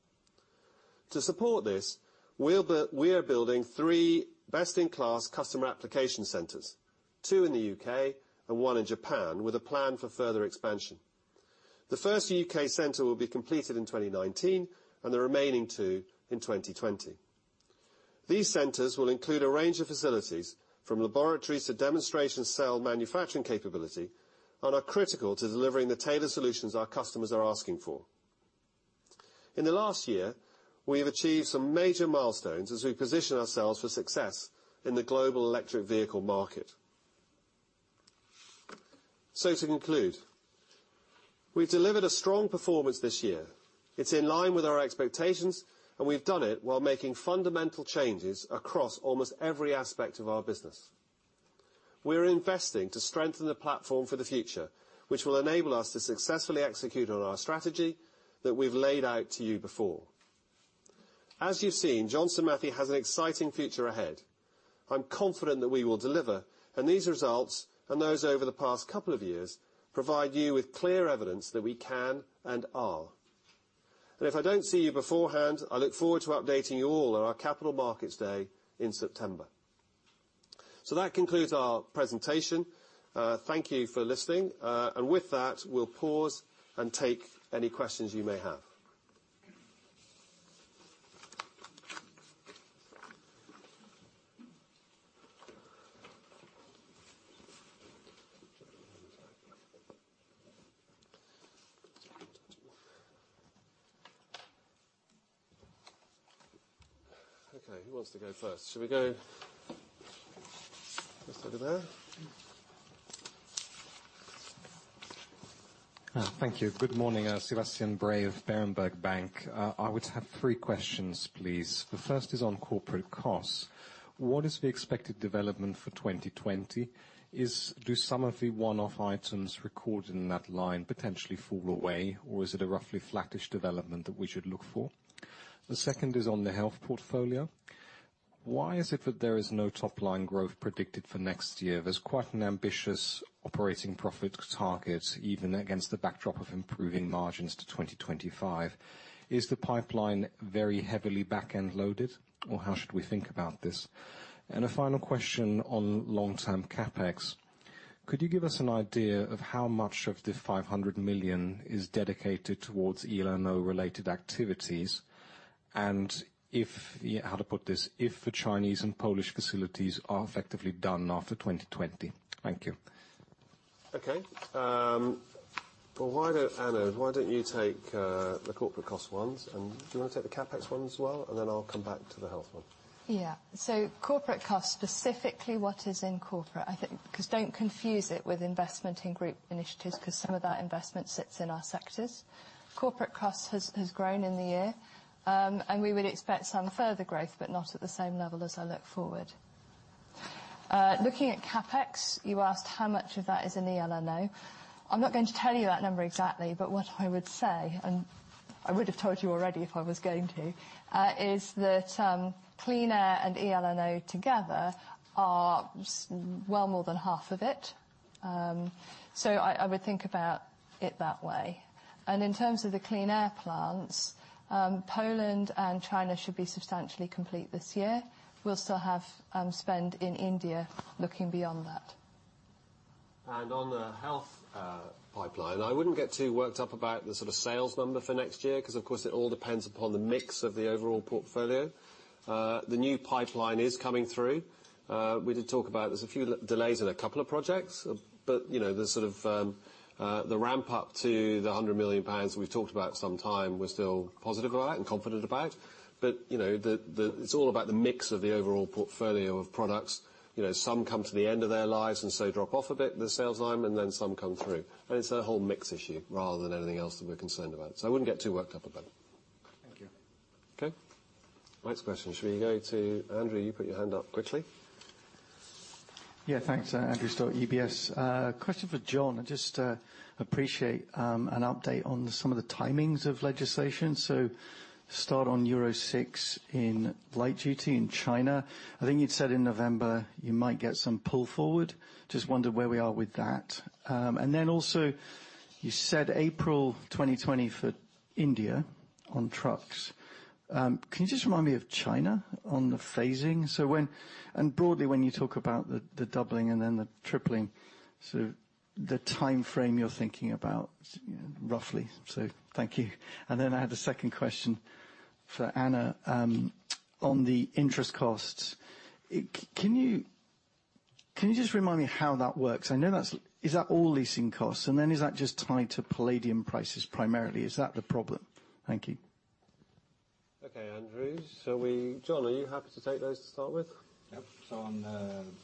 To support this, we are building three best-in-class customer application centers, two in the U.K. and one in Japan, with a plan for further expansion. The first U.K. center will be completed in 2019 and the remaining two in 2020. These centers will include a range of facilities, from laboratories to demonstration cell manufacturing capability, and are critical to delivering the tailored solutions our customers are asking for. In the last year, we have achieved some major milestones as we position ourselves for success in the global electric vehicle market. To conclude, we've delivered a strong performance this year. It's in line with our expectations, and we've done it while making fundamental changes across almost every aspect of our business. We're investing to strengthen the platform for the future, which will enable us to successfully execute on our strategy that we've laid out to you before. As you've seen, Johnson Matthey has an exciting future ahead. I'm confident that we will deliver, and these results, and those over the past couple of years, provide you with clear evidence that we can and are. If I don't see you beforehand, I look forward to updating you all on our capital markets day in September. That concludes our presentation. Thank you for listening. With that, we'll pause and take any questions you may have. Okay, who wants to go first? Should we go just over there?
Thank you. Good morning. Sebastian Bray of Berenberg Bank. I would have three questions, please. The first is on corporate costs. What is the expected development for 2020? Do some of the one-off items recorded in that line potentially fall away, or is it a roughly flattish development that we should look for? The second is on the Health portfolio. Why is it that there is no top-line growth predicted for next year? There's quite an ambitious operating profit target, even against the backdrop of improving margins to 2025. Is the pipeline very heavily back-end loaded, or how should we think about this? A final question on long-term CapEx. Could you give us an idea of how much of the 500 million is dedicated towards eLNO-related activities? And how to put this, if the Chinese and Polish facilities are effectively done after 2020? Thank you.
Okay. Anna, why don't you take the corporate cost ones? Do you want to take the CapEx ones as well, and then I'll come back to the Health one.
Corporate costs, specifically what is in corporate, I think, because don't confuse it with investment in group initiatives, because some of that investment sits in our sectors. Corporate costs has grown in the year. We would expect some further growth, but not at the same level as I look forward. Looking at CapEx, you asked how much of that is in eLNO. I'm not going to tell you that number exactly, but what I would say, and I would have told you already if I was going to, is that Clean Air and eLNO together are well more than half of it. I would think about it that way. In terms of the Clean Air plants, Poland and China should be substantially complete this year. We'll still have spend in India looking beyond that.
On the Health pipeline, I wouldn't get too worked up about the sort of sales number for next year because, of course, it all depends upon the mix of the overall portfolio. The new pipeline is coming through. We did talk about there's a few delays in a couple of projects, but the ramp up to the 100 million pounds that we've talked about some time, we're still positive about and confident about. It's all about the mix of the overall portfolio of products. Some come to the end of their lives and so drop off a bit, the sales line, and then some come through. It's a whole mix issue rather than anything else that we're concerned about. I wouldn't get too worked up about it.
Thank you.
Next question, should we go to Andrew? You put your hand up quickly.
Yeah, thanks. Andrew Stott, UBS. Question for John. I'd just appreciate an update on some of the timings of legislation. Start on Euro 6 in light duty in China. I think you'd said in November you might get some pull forward. Just wondered where we are with that. Also you said April 2020 for India on trucks. Can you just remind me of China on the phasing? Broadly, when you talk about the doubling and then the tripling, the timeframe you're thinking about, roughly. Thank you. Then I had a second question for Anna. On the interest costs, can you just remind me how that works? Is that all leasing costs and then is that just tied to palladium prices primarily? Is that the problem? Thank you.
Andrew. John, are you happy to take those to start with?
Yep.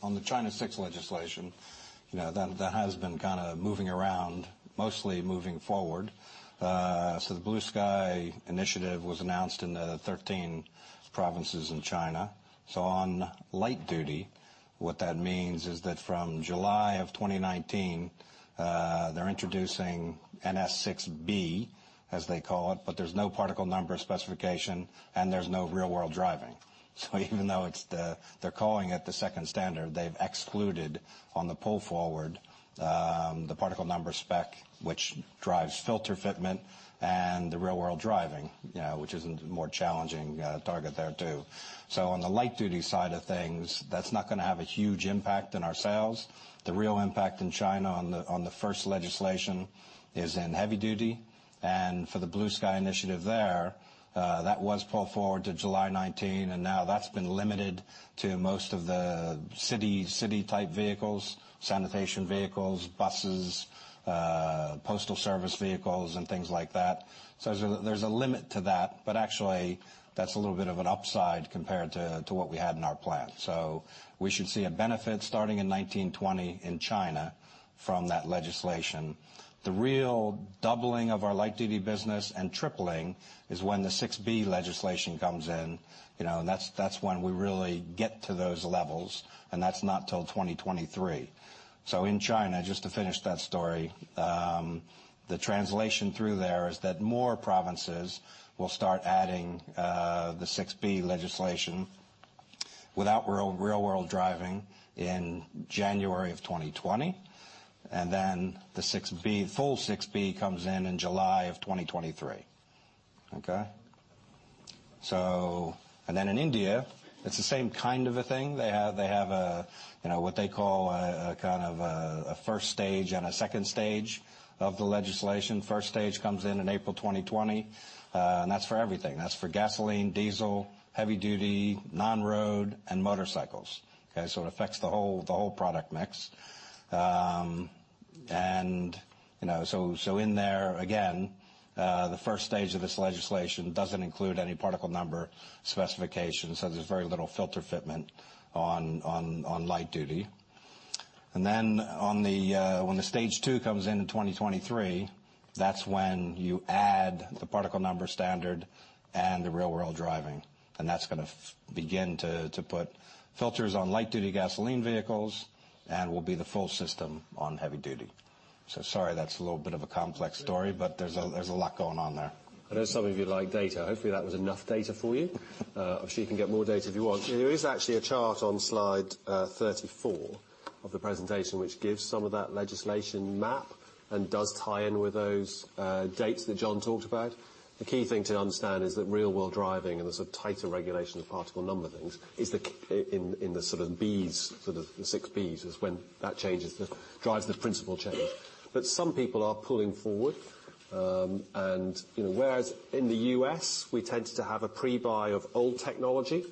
On the China 6 legislation, that has been kind of moving around, mostly moving forward. The Blue Sky initiative was announced in the 13 provinces in China. On light duty, what that means is that from July of 2019, they're introducing China 6b, as they call it, but there's no particle number specification and there's no real world driving. Even though they're calling it the second standard, they've excluded on the pull forward, the particle number spec, which drives filter fitment and the real world driving. Which is a more challenging target there, too. On the light duty side of things, that's not going to have a huge impact in our sales. The real impact in China on the first legislation is in heavy duty and for the Blue Sky initiative there, that was pulled forward to July 2019 and now that's been limited to most of the city-type vehicles, sanitation vehicles, buses, postal service vehicles and things like that. There's a limit to that, but actually that's a little bit of an upside compared to what we had in our plan. We should see a benefit starting in 2019, 2020 in China from that legislation. The real doubling of our light duty business and tripling is when the China 6b legislation comes in. That's when we really get to those levels, and that's not until 2023. In China, just to finish that story, the translation through there is that more provinces will start adding the China 6b legislation without real world driving in January of 2020. The full China 6b comes in in July of 2023. Okay. In India, it's the same kind of a thing. They have what they call a first stage and a second stage of the legislation. First stage comes in in April 2020. That's for everything. That's for gasoline, diesel, heavy duty, non-road and motorcycles. Okay. It affects the whole product mix. In there, again, the first stage of this legislation doesn't include any particle number specifications, so there's very little filter fitment on light duty. When the stage 2 comes in in 2023, that's when you add the particle number standard and the real world driving, and that's going to begin to put filters on light duty gasoline vehicles and will be the full system on heavy duty. Sorry, that's a little bit of a complex story, but there's a lot going on there.
I know some of you like data. Hopefully that was enough data for you. I am sure you can get more data if you want. There is actually a chart on slide 34 of the presentation, which gives some of that legislation map and does tie in with those dates that John talked about. The key thing to understand is that real world driving and the tighter regulation of particle number things is in the sort of Bs, the 6Bs, is when that changes, drives the principal change. Some people are pulling forward. Whereas in the U.S., we tend to have a pre-buy of old technology.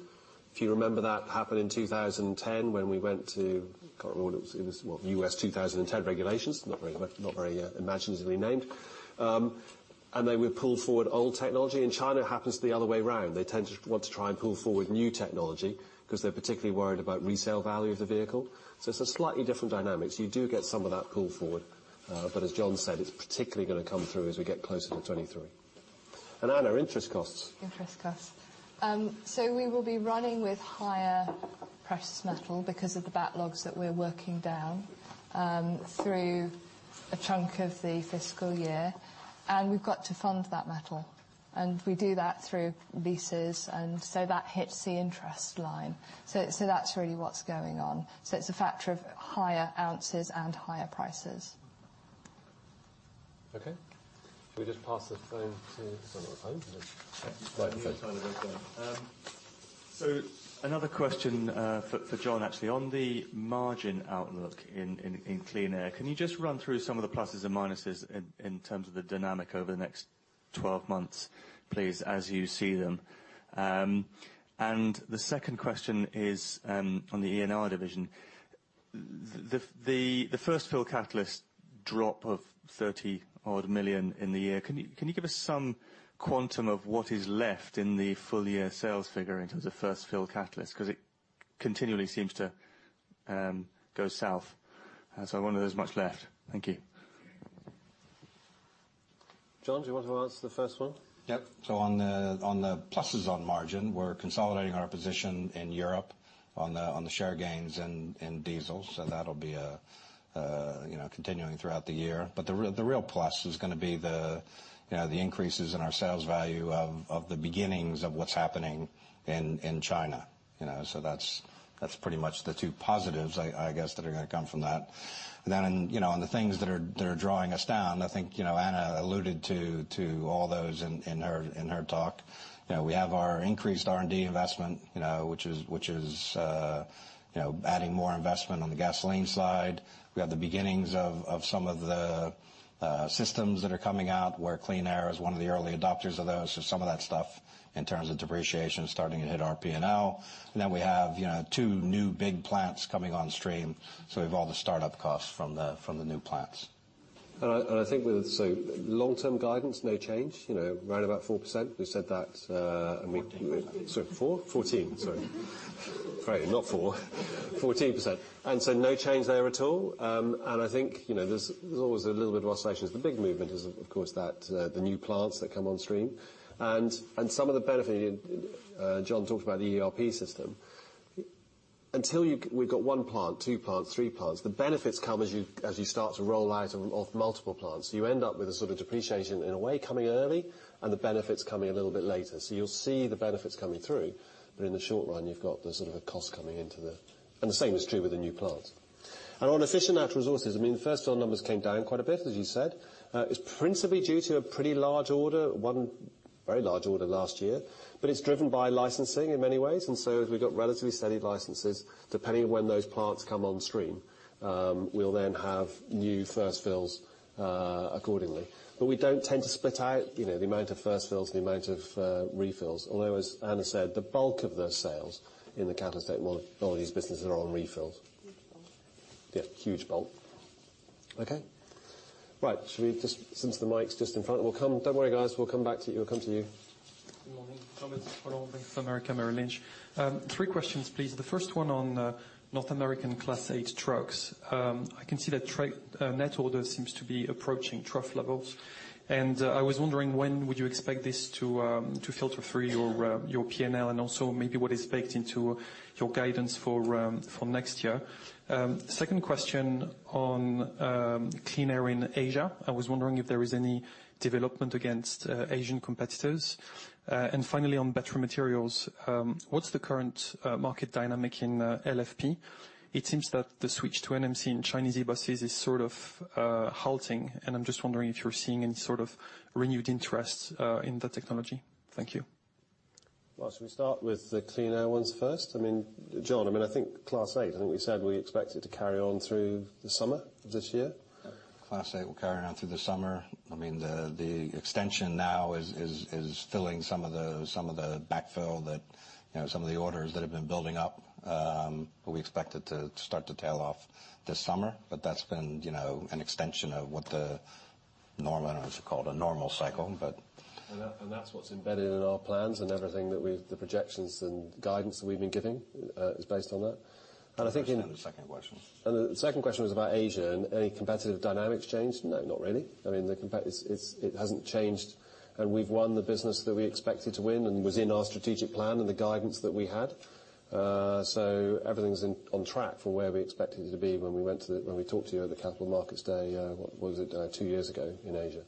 If you remember that happened in 2010 when we went to, can't remember what it was, it was, well, U.S. 2010 regulations, not very imaginatively named. They would pull forward old technology. In China, it happens the other way around. They tend to want to try and pull forward new technology because they are particularly worried about resale value of the vehicle. It's a slightly different dynamics. You do get some of that pull forward. As John said, it's particularly going to come through as we get closer to 2023. Anna, interest costs.
Interest costs. We will be running with higher precious metal because of the backlogs that we are working down through a chunk of the fiscal year, and we have got to fund that metal. We do that through leases, and that hits the interest line. That's really what's going on. It's a factor of higher ounces and higher prices.
Okay. Shall we just pass the phone to Sorry, not phone. Just microphone.
This side of it then. Another question for John, actually. On the margin outlook in Clean Air, can you just run through some of the pluses and minuses in terms of the dynamic over the next 12 months, please, as you see them? The second question is on the ENR division. The first-fill catalyst drop of 30 million in the year, can you give us some quantum of what is left in the full year sales figure in terms of first-fill catalyst? It continually seems to go south. I wonder if there's much left. Thank you.
John, do you want to answer the first one?
Yep. On the pluses on margin, we're consolidating our position in Europe on the share gains in diesel. That'll be continuing throughout the year. The real plus is going to be the increases in our sales value of the beginnings of what's happening in China. That's pretty much the two positives, I guess, that are going to come from that. On the things that are drawing us down, I think Anna alluded to all those in her talk. We have our increased R&D investment, which is adding more investment on the gasoline side. We have the beginnings of some of the systems that are coming out where Clean Air is one of the early adopters of those. Some of that stuff in terms of depreciation is starting to hit our P&L. We have two new big plants coming on stream. We have all the start-up costs from the new plants.
Long-term guidance, no change. Right about 4%. We said that.
14.
Sorry, four? 14, sorry. Sorry, not four, 14%. No change there at all. There's always a little bit of oscillations. The big movement is, of course, the new plants that come on stream. Some of the benefit, John talked about the ERP system. We've got one plant, two plants, three plants. The benefits come as you start to roll out of multiple plants. You end up with a sort of depreciation in a way coming early and the benefits coming a little bit later. You'll see the benefits coming through. In the short run, you've got the sort of a cost coming into the. The same is true with the new plants. On Efficient Natural Resources, the first-fill numbers came down quite a bit, as you said. It's principally due to a pretty large order, one very large order last year. It's driven by licensing in many ways. As we've got relatively steady licenses, depending on when those plants come on stream, we'll then have new first fills accordingly. We don't tend to split out the amount of first fills, the amount of refills. Although, as Anna said, the bulk of the sales in the Catalyst Technologies business are on refills.
Huge bulk.
Yeah, huge bulk. Okay? Right. Since the mic's just in front, don't worry, guys, we'll come back to you. We'll come to you.
Good morning. Thomas Faulhaber with Bank of America Merrill Lynch. 3 questions, please. The first one on North American Class 8 trucks. I can see that net order seems to be approaching trough levels, and I was wondering when would you expect this to filter through your P&L and also maybe what is baked into your guidance for next year? Second question on Clean Air in Asia. I was wondering if there is any development against Asian competitors. Finally, on Battery Materials, what's the current market dynamic in LFP? It seems that the switch to NMC in Chinese e-buses is sort of halting, and I'm just wondering if you're seeing any sort of renewed interest in the technology. Thank you.
Well, should we start with the Clean Air ones first? John, I think Class 8, we said we expect it to carry on through the summer this year.
Class 8 will carry on through the summer. The extension now is filling some of the backfill that some of the orders that have been building up, but we expect it to start to tail off this summer. That's been an extension of what the, I don't know what you'd call it, a normal cycle, but
That's what embedded in our plans and everything that the projections and guidance that we've been giving is based on that. I think.
The second question.
The second question was about Asia and any competitive dynamics changed? No, not really. It hasn't changed. We've won the business that we expected to win and was in our strategic plan and the guidance that we had. Everything's on track for where we expected it to be when we talked to you at the Capital Markets Day, what was it, two years ago in Asia.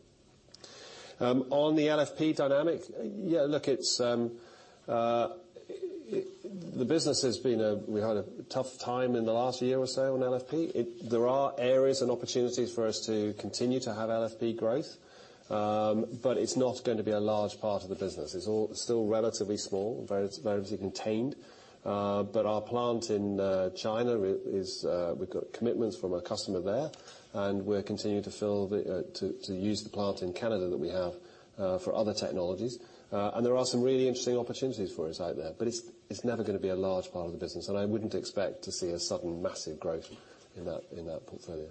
On the LFP dynamic, yeah, look, we had a tough time in the last year or so on LFP. There are areas and opportunities for us to continue to have LFP growth. It's not going to be a large part of the business. It's still relatively small, relatively contained. Our plant in China is, we've got commitments from a customer there, and we're continuing to use the plant in Canada that we have for other technologies. There are some really interesting opportunities for us out there. It's never going to be a large part of the business, and I wouldn't expect to see a sudden massive growth in that portfolio.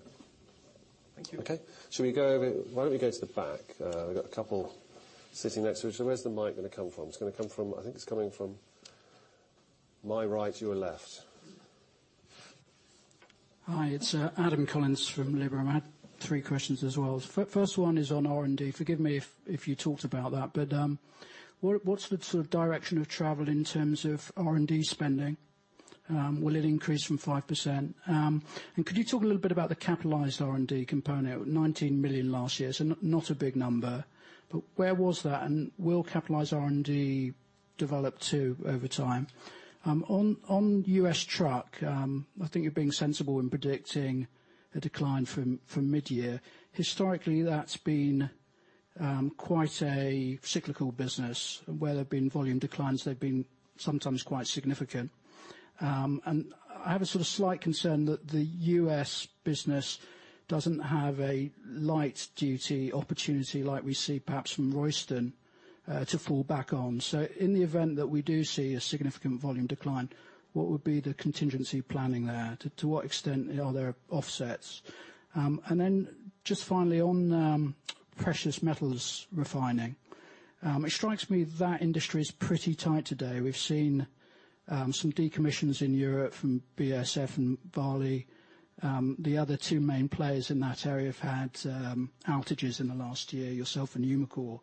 Thank you.
Okay. Shall we go to the back? We've got a couple sitting next to each other. Where's the mic going to come from? I think it's coming from my right, your left.
Hi, it's Adam Collins from Liberum. I had three questions as well. First one is on R&D. Forgive me if you talked about that, what's the sort of direction of travel in terms of R&D spending? Will it increase from 5%? Could you talk a little bit about the capitalized R&D component? At 19 million last year, not a big number, where was that? Will capitalized R&D develop too over time? On U.S. truck, I think you're being sensible in predicting a decline from mid-year. Historically, that's been quite a cyclical business where there have been volume declines, they've been sometimes quite significant. I have a sort of slight concern that the U.S. business doesn't have a light-duty opportunity like we see perhaps from Royston to fall back on. In the event that we do see a significant volume decline, what would be the contingency planning there? To what extent are there offsets? Just finally on precious metals refining. It strikes me that industry is pretty tight today. We've seen some decommissions in Europe from BASF and Vale. The other two main players in that area have had outages in the last year, yourself and Umicore.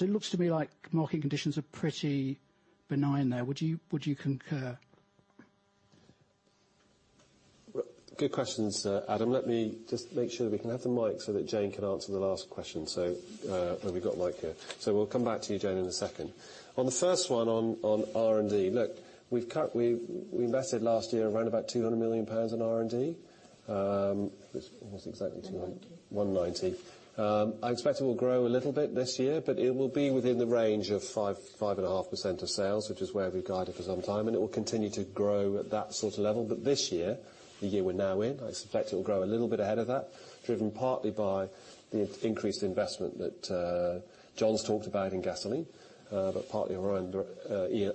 It looks to me like market conditions are pretty benign there. Would you concur?
Good questions, Adam. Let me just make sure that we can have the mic so that Jane can answer the last question. We've got a mic here. We'll come back to you, Jane, in a second. On the first one on R&D. Look, we invested last year around about 200 million pounds in R&D. What was exactly?
190.
190 million. I expect it will grow a little bit this year, but it will be within the range of 5%-5.5% of sales, which is where we've guided for some time, and it will continue to grow at that sort of level. This year, the year we're now in, I suspect it will grow a little bit ahead of that, driven partly by the increased investment that John's talked about in gasoline, but partly around an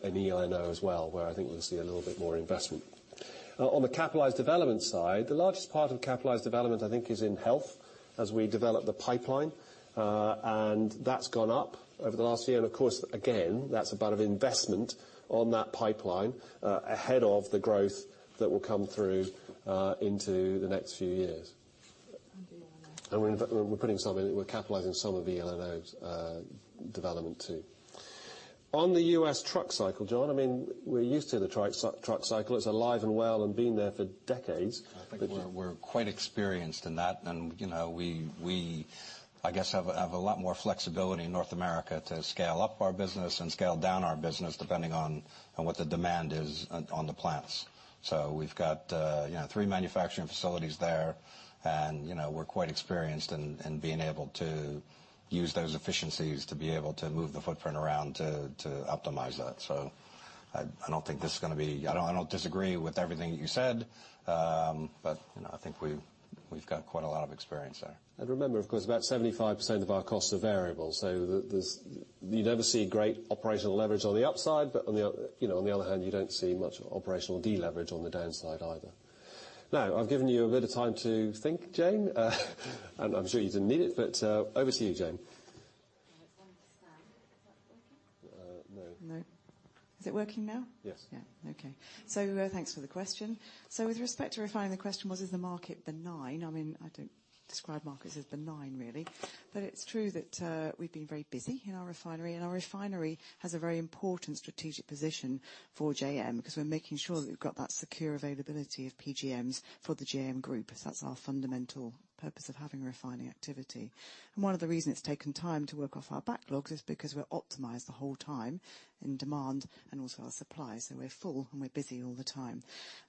eLNO as well, where I think we'll see a little bit more investment. On the capitalized development side, the largest part of capitalized development, I think, is in Health as we develop the pipeline. That's gone up over the last year. Of course, again, that's a bit of investment on that pipeline, ahead of the growth that will come through into the next few years.
eLNO.
We're putting some in, we're capitalizing some of eLNO's development, too. On the U.S. truck cycle, John, we're used to the truck cycle. It's alive and well and been there for decades.
We're quite experienced in that, we, I guess have a lot more flexibility in North America to scale up our business and scale down our business depending on what the demand is on the plants. We've got three manufacturing facilities there, and we're quite experienced in being able to use those efficiencies to be able to move the footprint around to optimize that. I don't disagree with everything that you said. I think we've got quite a lot of experience there.
Remember, of course, about 75% of our costs are variable. You never see great operational leverage on the upside, but on the other hand, you don't see much operational deleverage on the downside either. I've given you a bit of time to think, Jane, and I'm sure you didn't need it, but over to you, Jane.
I have to stand. Is that working?
No.
No. Is it working now?
Yes.
Okay. Thanks for the question. With respect to refining, the question was, is the market benign? I don't describe markets as benign, really. It's true that we've been very busy in our refinery, and our refinery has a very important strategic position for JM because we're making sure that we've got that secure availability of PGMs for the JM group. That's our fundamental purpose of having a refining activity. One of the reasons it's taken time to work off our backlogs is because we're optimized the whole time in demand and also our supply. We're full and we're busy all the time.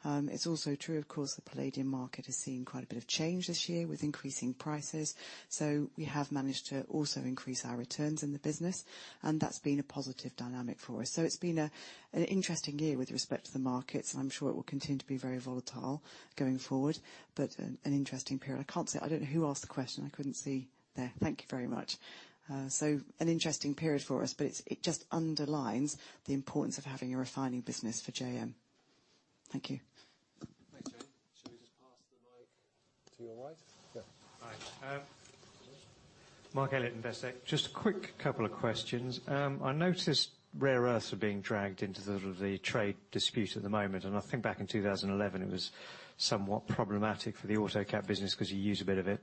It's also true, of course, the palladium market has seen quite a bit of change this year with increasing prices. We have managed to also increase our returns in the business, and that's been a positive dynamic for us. It's been an interesting year with respect to the markets, and I'm sure it will continue to be very volatile going forward. An interesting period. I can't see. I don't know who asked the question. I couldn't see there. Thank you very much. An interesting period for us, but it just underlines the importance of having a refining business for JM. Thank you.
Thanks, Jane. Should we just pass the mic to your right? Yeah.
All right. Marc Elliott, Investec. Just a quick couple of questions. I noticed rare earths are being dragged into the trade dispute at the moment, and I think back in 2011 it was somewhat problematic for the autocat business because you use a bit of it.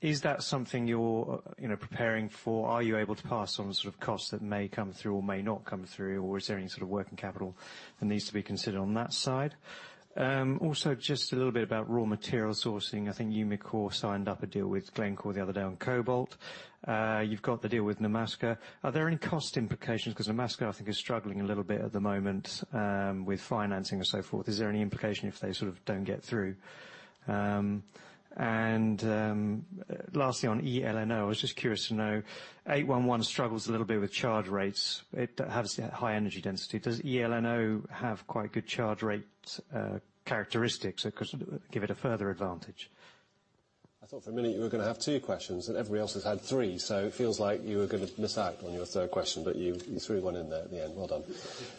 Is that something you're preparing for? Are you able to pass on the sort of costs that may come through or may not come through, or is there any sort of working capital that needs to be considered on that side? Also, just a little bit about raw material sourcing. I think Umicore signed up a deal with Glencore the other day on cobalt. You've got the deal with Nemaska. Are there any cost implications? Because Nemaska, I think, is struggling a little bit at the moment with financing and so forth. Is there any implication if they sort of don't get through? Lastly, on eLNO, I was just curious to know, 811 struggles a little bit with charge rates. It has high energy density. Does eLNO have quite good charge rate characteristics that could give it a further advantage?
I thought for a minute you were going to have two questions, everybody else has had three. It feels like you were going to miss out on your third question, you threw one in there at the end. Well done.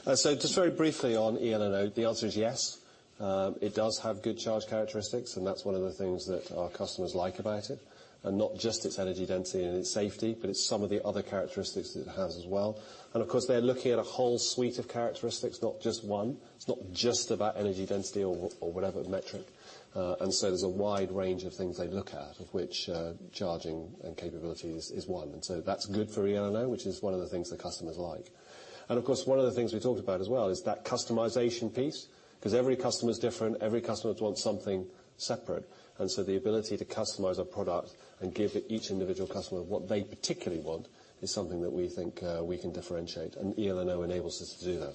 Just very briefly on eLNO, the answer is yes. It does have good charge characteristics, that's one of the things that our customers like about it. Not just its energy density and its safety, but it's some of the other characteristics that it has as well. Of course, they're looking at a whole suite of characteristics, not just one. It's not just about energy density or whatever metric. There's a wide range of things they look at, of which charging and capabilities is one. That's good for eLNO, which is one of the things the customers like. Of course, one of the things we talked about as well is that customization piece, because every customer is different, every customer wants something separate. The ability to customize a product and give each individual customer what they particularly want is something that we think we can differentiate, eLNO enables us to do that.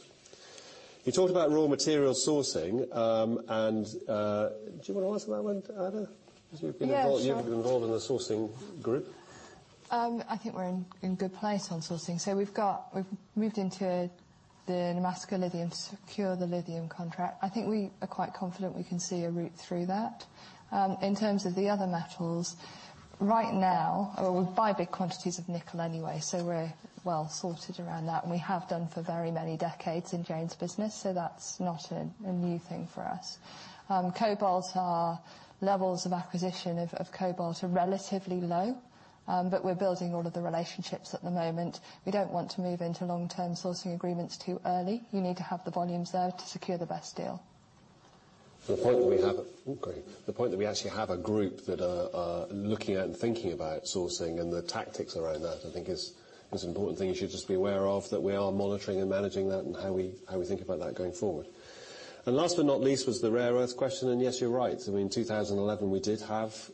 You talked about raw material sourcing, do you want to answer that one, Anna?
Yeah, sure.
Because you've been involved in the sourcing group.
I think we're in good place on sourcing. We've moved into the Nemaska Lithium to secure the lithium contract. I think we are quite confident we can see a route through that. In terms of the other metals, right now, we buy big quantities of nickel anyway, so we're well-sorted around that, and we have done for very many decades in Jane's business, so that's not a new thing for us. cobalt, our levels of acquisition of cobalt are relatively low. We're building all of the relationships at the moment. We don't want to move into long-term sourcing agreements too early. You need to have the volumes there to secure the best deal.
The point that we actually have a group that are looking at and thinking about sourcing and the tactics around that, I think is an important thing you should just be aware of, that we are monitoring and managing that and how we think about that going forward. Last but not least was the rare earth question, and yes, you're right. In 2011, we did have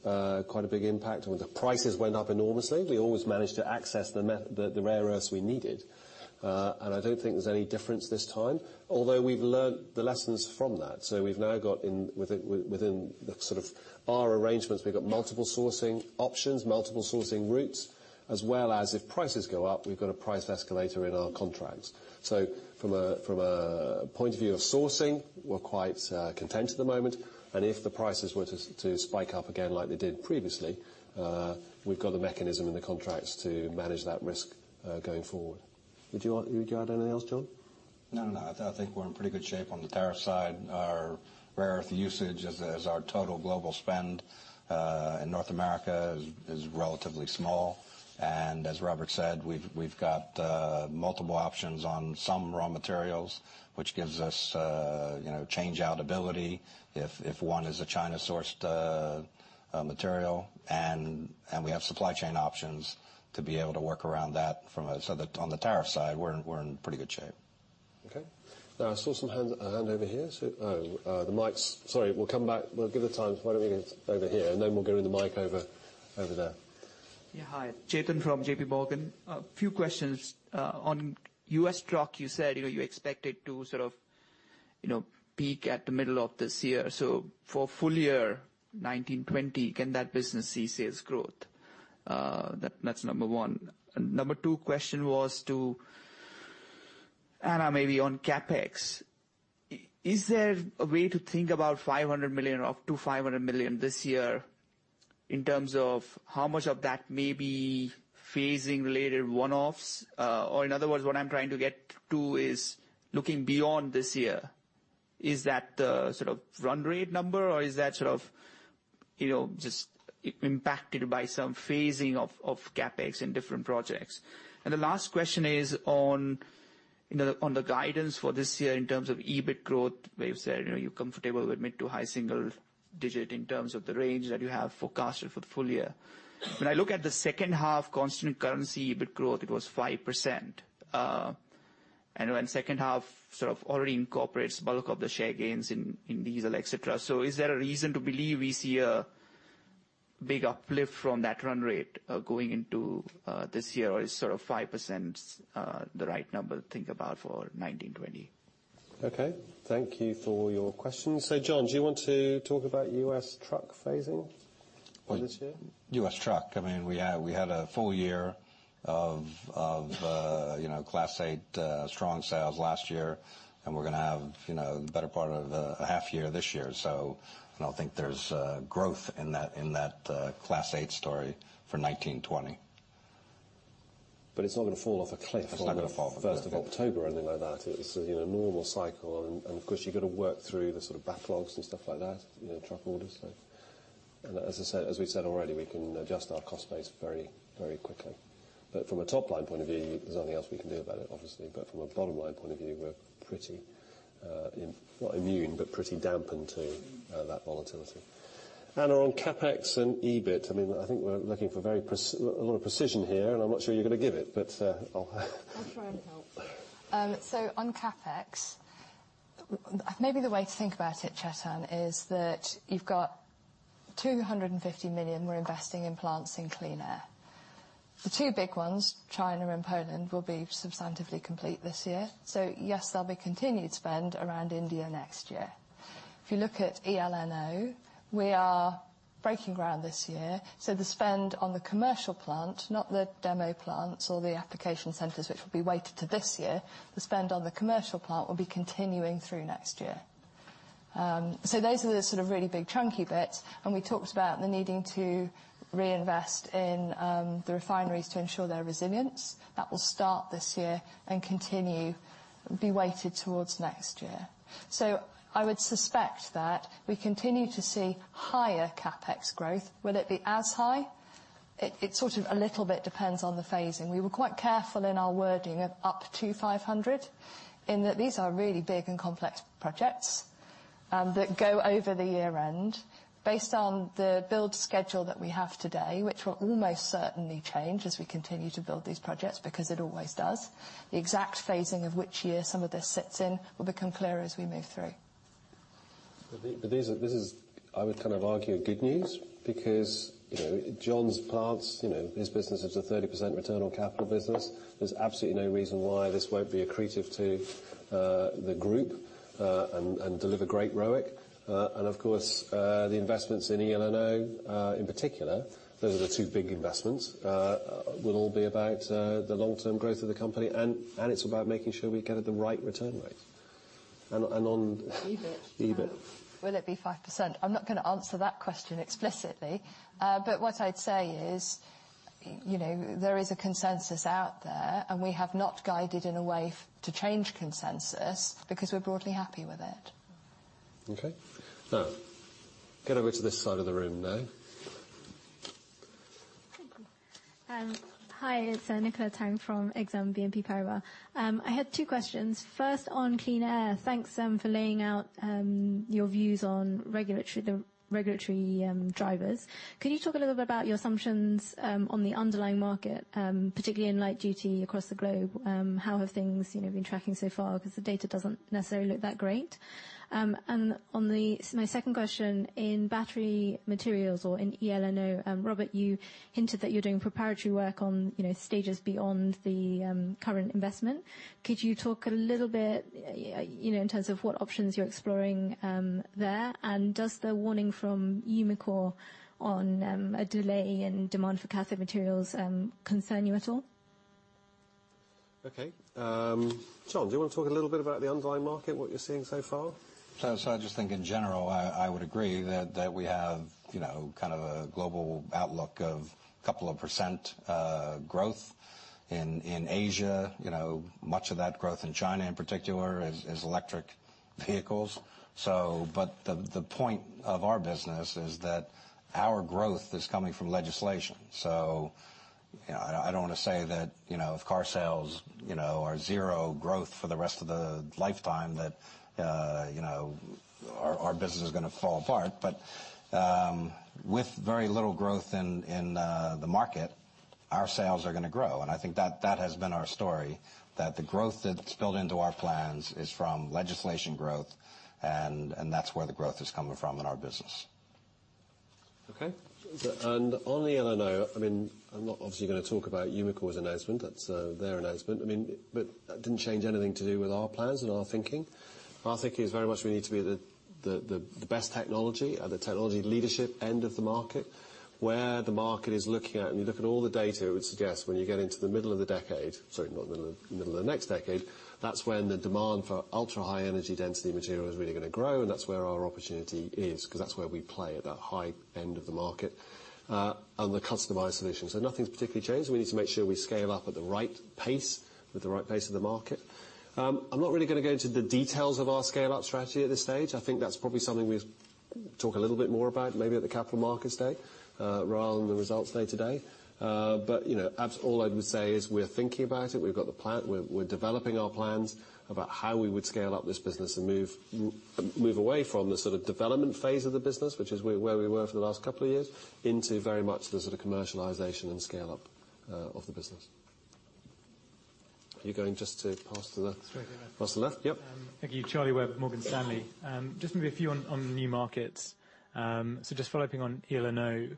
quite a big impact when the prices went up enormously. We always managed to access the rare earths we needed. I don't think there's any difference this time, although we've learned the lessons from that. We've now got within our arrangements, we've got multiple sourcing options, multiple sourcing routes, as well as if prices go up, we've got a price escalator in our contracts. From a point of view of sourcing, we're quite content at the moment, and if the prices were to spike up again like they did previously, we've got the mechanism in the contracts to manage that risk, going forward. Would you add anything else, John?
No. I think we're in pretty good shape on the tariff side. Our rare earth usage as our total global spend, in North America is relatively small. As Robert said, we've got multiple options on some raw materials, which gives us change out ability if one is a China-sourced material, and we have supply chain options to be able to work around that. On the tariff side, we're in pretty good shape.
Okay. I saw a hand over here. Oh, the mic's Sorry. We'll come back. We'll give the time. Why don't we get over here, and then we'll go with the mic over there.
Yeah. Hi. Chetan from JPMorgan. A few questions. On U.S. truck, you said you expected to sort of peak at the middle of this year. For full year 2019-2020, can that business see sales growth? That's number 1. Number 2 question was to Anna maybe on CapEx. Is there a way to think about 500 million up to 500 million this year in terms of how much of that may be phasing related one-offs? In other words, what I'm trying to get to is looking beyond this year. Is that the sort of run rate number, or is that just impacted by some phasing of CapEx in different projects? The last question is on the guidance for this year in terms of EBIT growth, where you've said you're comfortable with mid to high single-digit in terms of the range that you have forecasted for the full year. When I look at the second half constant currency EBIT growth, it was 5%. When second half sort of already incorporates bulk of the share gains in diesel, et cetera. Is there a reason to believe we see a big uplift from that run rate going into this year, or is 5% the right number to think about for 2019-2020?
Okay. Thank you for your questions. John, do you want to talk about U.S. truck phasing for this year?
U.S. truck. We had a full year of Class 8 strong sales last year. We're going to have the better part of a half year this year. I don't think there's growth in that Class 8 story for 2019-2020.
It's not going to fall off a cliff.
It's not going to fall off a cliff.
first of October or anything like that. It's a normal cycle. Of course, you've got to work through the sort of backlogs and stuff like that, truck orders. As we've said already, we can adjust our cost base very quickly. From a top-line point of view, there's nothing else we can do about it, obviously. From a bottom-line point of view, we're pretty, not immune, but pretty dampened to that volatility. Anna, on CapEx and EBIT, I think we're looking for a lot of precision here, and I'm not sure you're going to give it, but I'll
I'll try and help. On CapEx, maybe the way to think about it, Chetan, is that you've got 250 million we're investing in plants in Clean Air. The two big ones, China and Poland, will be substantively complete this year. Yes, there'll be continued spend around India next year. If you look at eLNO, we are breaking ground this year. The spend on the commercial plant, not the demo plants or the application centers, which will be weighted to this year, the spend on the commercial plant will be continuing through next year. Those are the sort of really big chunky bits, and we talked about the needing to reinvest in the refineries to ensure their resilience. That will start this year and continue, be weighted towards next year. I would suspect that we continue to see higher CapEx growth. Will it be as high? It sort of a little bit depends on the phasing. We were quite careful in our wording of up to 500, in that these are really big and complex projects that go over the year-end. Based on the build schedule that we have today, which will almost certainly change as we continue to build these projects because it always does, the exact phasing of which year some of this sits in will become clearer as we move through.
This is, I would argue, good news because John's plants, his business is a 30% return on capital business. There's absolutely no reason why this won't be accretive to the group and deliver great ROIC. Of course, the investments in eLNO in particular, those are the two big investments, will all be about the long-term growth of the company, and it's about making sure we get it the right return rate. On-
EBIT.
EBIT.
Will it be 5%? I'm not going to answer that question explicitly. What I'd say is, there is a consensus out there, and we have not guided in a way to change consensus because we're broadly happy with it.
Okay. Get over to this side of the room, now.
Thank you. Hi, it's Nicola Tang from Exane BNP Paribas. I had two questions. First, on Clean Air, thanks for laying out your views on the regulatory drivers. Could you talk a little bit about your assumptions on the underlying market, particularly in light duty across the globe? How have things been tracking so far? Because the data doesn't necessarily look that great. On my second question, in Battery Materials or in eLNO, Robert, you hinted that you're doing preparatory work on stages beyond the current investment. Could you talk a little bit in terms of what options you're exploring there? And does the warning from Umicore on a delay in demand for cathode materials concern you at all?
Okay. John, do you want to talk a little bit about the underlying market, what you're seeing so far?
I just think in general, I would agree that we have a global outlook of a couple of percent growth in Asia. Much of that growth in China in particular is electric vehicles. The point of our business is that our growth is coming from legislation. I don't want to say that if car sales are zero growth for the rest of the lifetime that our business is going to fall apart. With very little growth in the market, our sales are going to grow. I think that has been our story, that the growth that's built into our plans is from legislation growth, and that's where the growth is coming from in our business.
On eLNO, I'm not obviously going to talk about Umicore's announcement. That's their announcement. That didn't change anything to do with our plans and our thinking. Our thinking is very much we need to be the best technology, at the technology leadership end of the market, where the market is looking at. When you look at all the data, it would suggest when you get into the middle of the decade, sorry, middle of the next decade, that's when the demand for ultra-high energy density material is really going to grow, and that's where our opportunity is, because that's where we play, at that high end of the market, and the customized solutions. Nothing's particularly changed. We need to make sure we scale up at the right pace, with the right pace of the market. I'm not really going to go into the details of our scale-up strategy at this stage. I think that's probably something we talk a little bit more about maybe at the capital markets day, rather than the results day today. All I would say is we're thinking about it. We've got the plan. We're developing our plans about how we would scale up this business and move away from the sort of development phase of the business, which is where we were for the last couple of years, into very much the sort of commercialization and scale-up of the business. Are you going just to pass to the-
Straight here.
Pass to the left? Yep.
Thank you. Charlie Webb, Morgan Stanley. Just maybe a few on the new markets. Just following up on eLNO,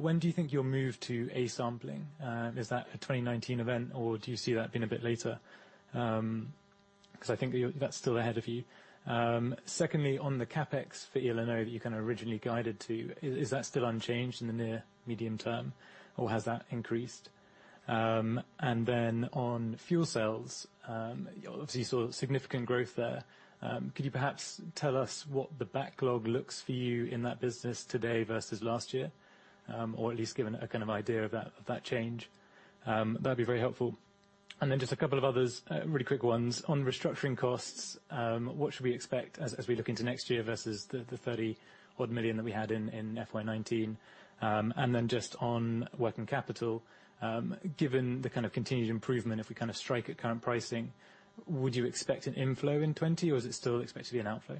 when do you think you'll move to A sampling? Is that a 2019 event, or do you see that being a bit later? Because I think that's still ahead of you. Secondly, on the CapEx for eLNO that you originally guided to, is that still unchanged in the near medium term, or has that increased? Then on fuel cells, obviously you saw significant growth there. Can you perhaps tell us what the backlog looks for you in that business today versus last year? Or at least give a kind of idea of that change. That'd be very helpful. Then just a couple of others, really quick ones. On restructuring costs, what should we expect as we look into next year versus the 30 million that we had in FY 2019? Then just on working capital, given the kind of continued improvement, if we kind of strike at current pricing, would you expect an inflow in 2020, or is it still expected to be an outflow?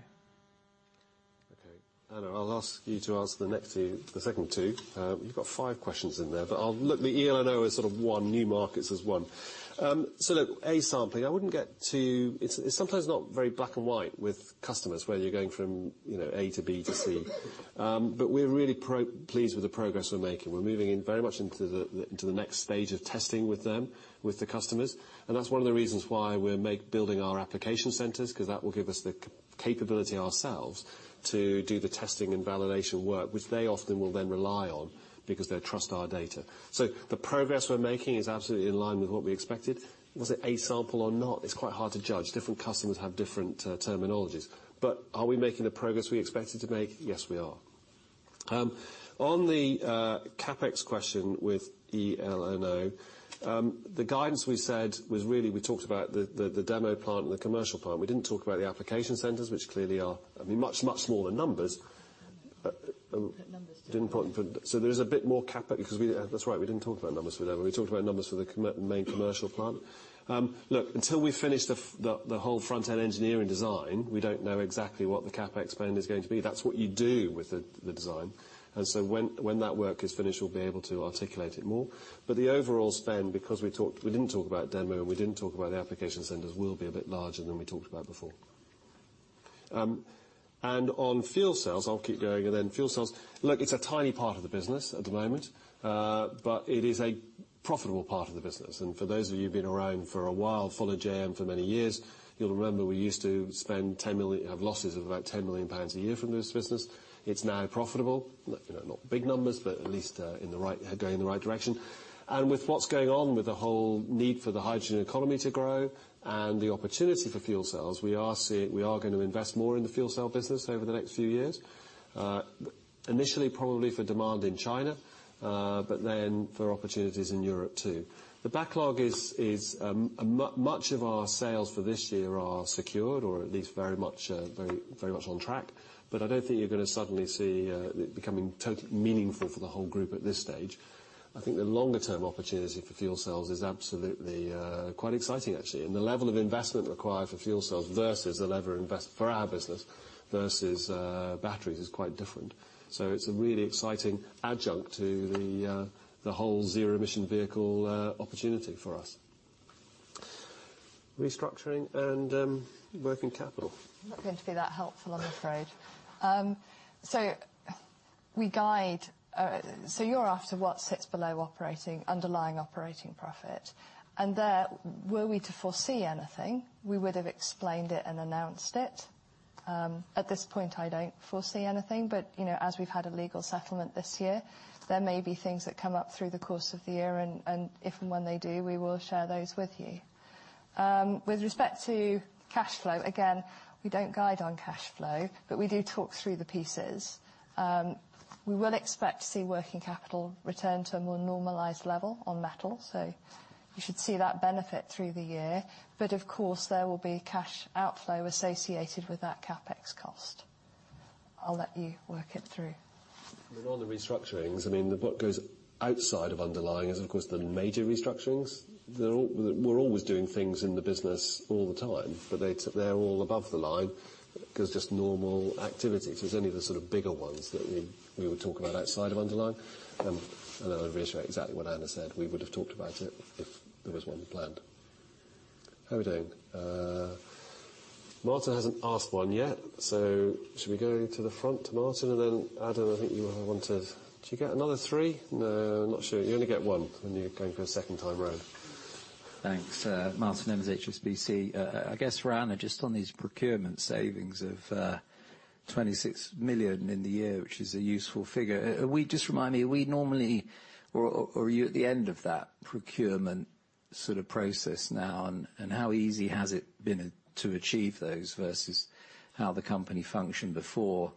Okay. Anna, I'll ask you to answer the second two. You've got five questions in there. Look, the eLNO is sort of one, new markets is one. Look, A sampling, it's sometimes not very black and white with customers, whether you're going from A to B to C. We're really pleased with the progress we're making. We're moving very much into the next stage of testing with them, with the customers. That's one of the reasons why we're building our application centers, because that will give us the capability ourselves to do the testing and validation work, which they often will then rely on because they trust our data. The progress we're making is absolutely in line with what we expected. Was it A sample or not? It's quite hard to judge. Different customers have different terminologies. Are we making the progress we expected to make? Yes, we are. On the CapEx question with eLNO, the guidance we said was really we talked about the demo plant and the commercial plant. We didn't talk about the application centers, which clearly are much, much smaller numbers.
I don't have numbers for that.
There is a bit more CapEx because that's right, we didn't talk about numbers for that. We talked about numbers for the main commercial plant. Until we finish the whole front-end engineering design, we don't know exactly what the CapEx spend is going to be. That's what you do with the design. When that work is finished, we'll be able to articulate it more. The overall spend, because we didn't talk about demo and we didn't talk about the application centers, will be a bit larger than we talked about before. On fuel cells, I'll keep going and then fuel cells. It's a tiny part of the business at the moment. It is a profitable part of the business. For those of you who've been around for a while, followed JM for many years, you'll remember we used to have losses of about 10 million pounds a year from this business. It's now profitable. Not big numbers, but at least going in the right direction. With what's going on with the whole need for the hydrogen economy to grow and the opportunity for fuel cells, we are going to invest more in the fuel cell business over the next few years. Initially, probably for demand in China, then for opportunities in Europe, too. The backlog is much of our sales for this year are secured or at least very much on track. I don't think you're going to suddenly see it becoming meaningful for the whole group at this stage. I think the longer-term opportunity for fuel cells is absolutely quite exciting, actually. The level of investment required for fuel cells versus the level of investment for our business versus batteries is quite different. It's a really exciting adjunct to the whole zero-emission vehicle opportunity for us. Restructuring and working capital.
I'm not going to be that helpful, I'm afraid. You're after what sits below underlying operating profit. There, were we to foresee anything, we would have explained it and announced it. At this point, I don't foresee anything. As we've had a legal settlement this year, there may be things that come up through the course of the year, and if and when they do, we will share those with you. With respect to cash flow, again, we don't guide on cash flow, but we do talk through the pieces. We will expect to see working capital return to a more normalized level on metal, so you should see that benefit through the year. Of course, there will be cash outflow associated with that CapEx cost. I'll let you work it through.
On the restructurings, what goes outside of underlying is, of course, the major restructurings. We're always doing things in the business all the time, but they're all above the line because just normal activity. It's only the sort of bigger ones that we would talk about outside of underlying. I would reiterate exactly what Anna said. We would have talked about it if there was one planned. How are we doing? Martin hasn't asked one yet, so should we go to the front to Martin and then Adam, I think you wanted Do you get another three? No, I'm not sure. You only get one when you're going for a second time around.
Thanks. Martin Evans, HSBC. I guess for Anna, just on these procurement savings of 26 million in the year, which is a useful figure. Just remind me, are you at the end of that procurement sort of process now and how easy has it been to achieve those versus how the company functioned before?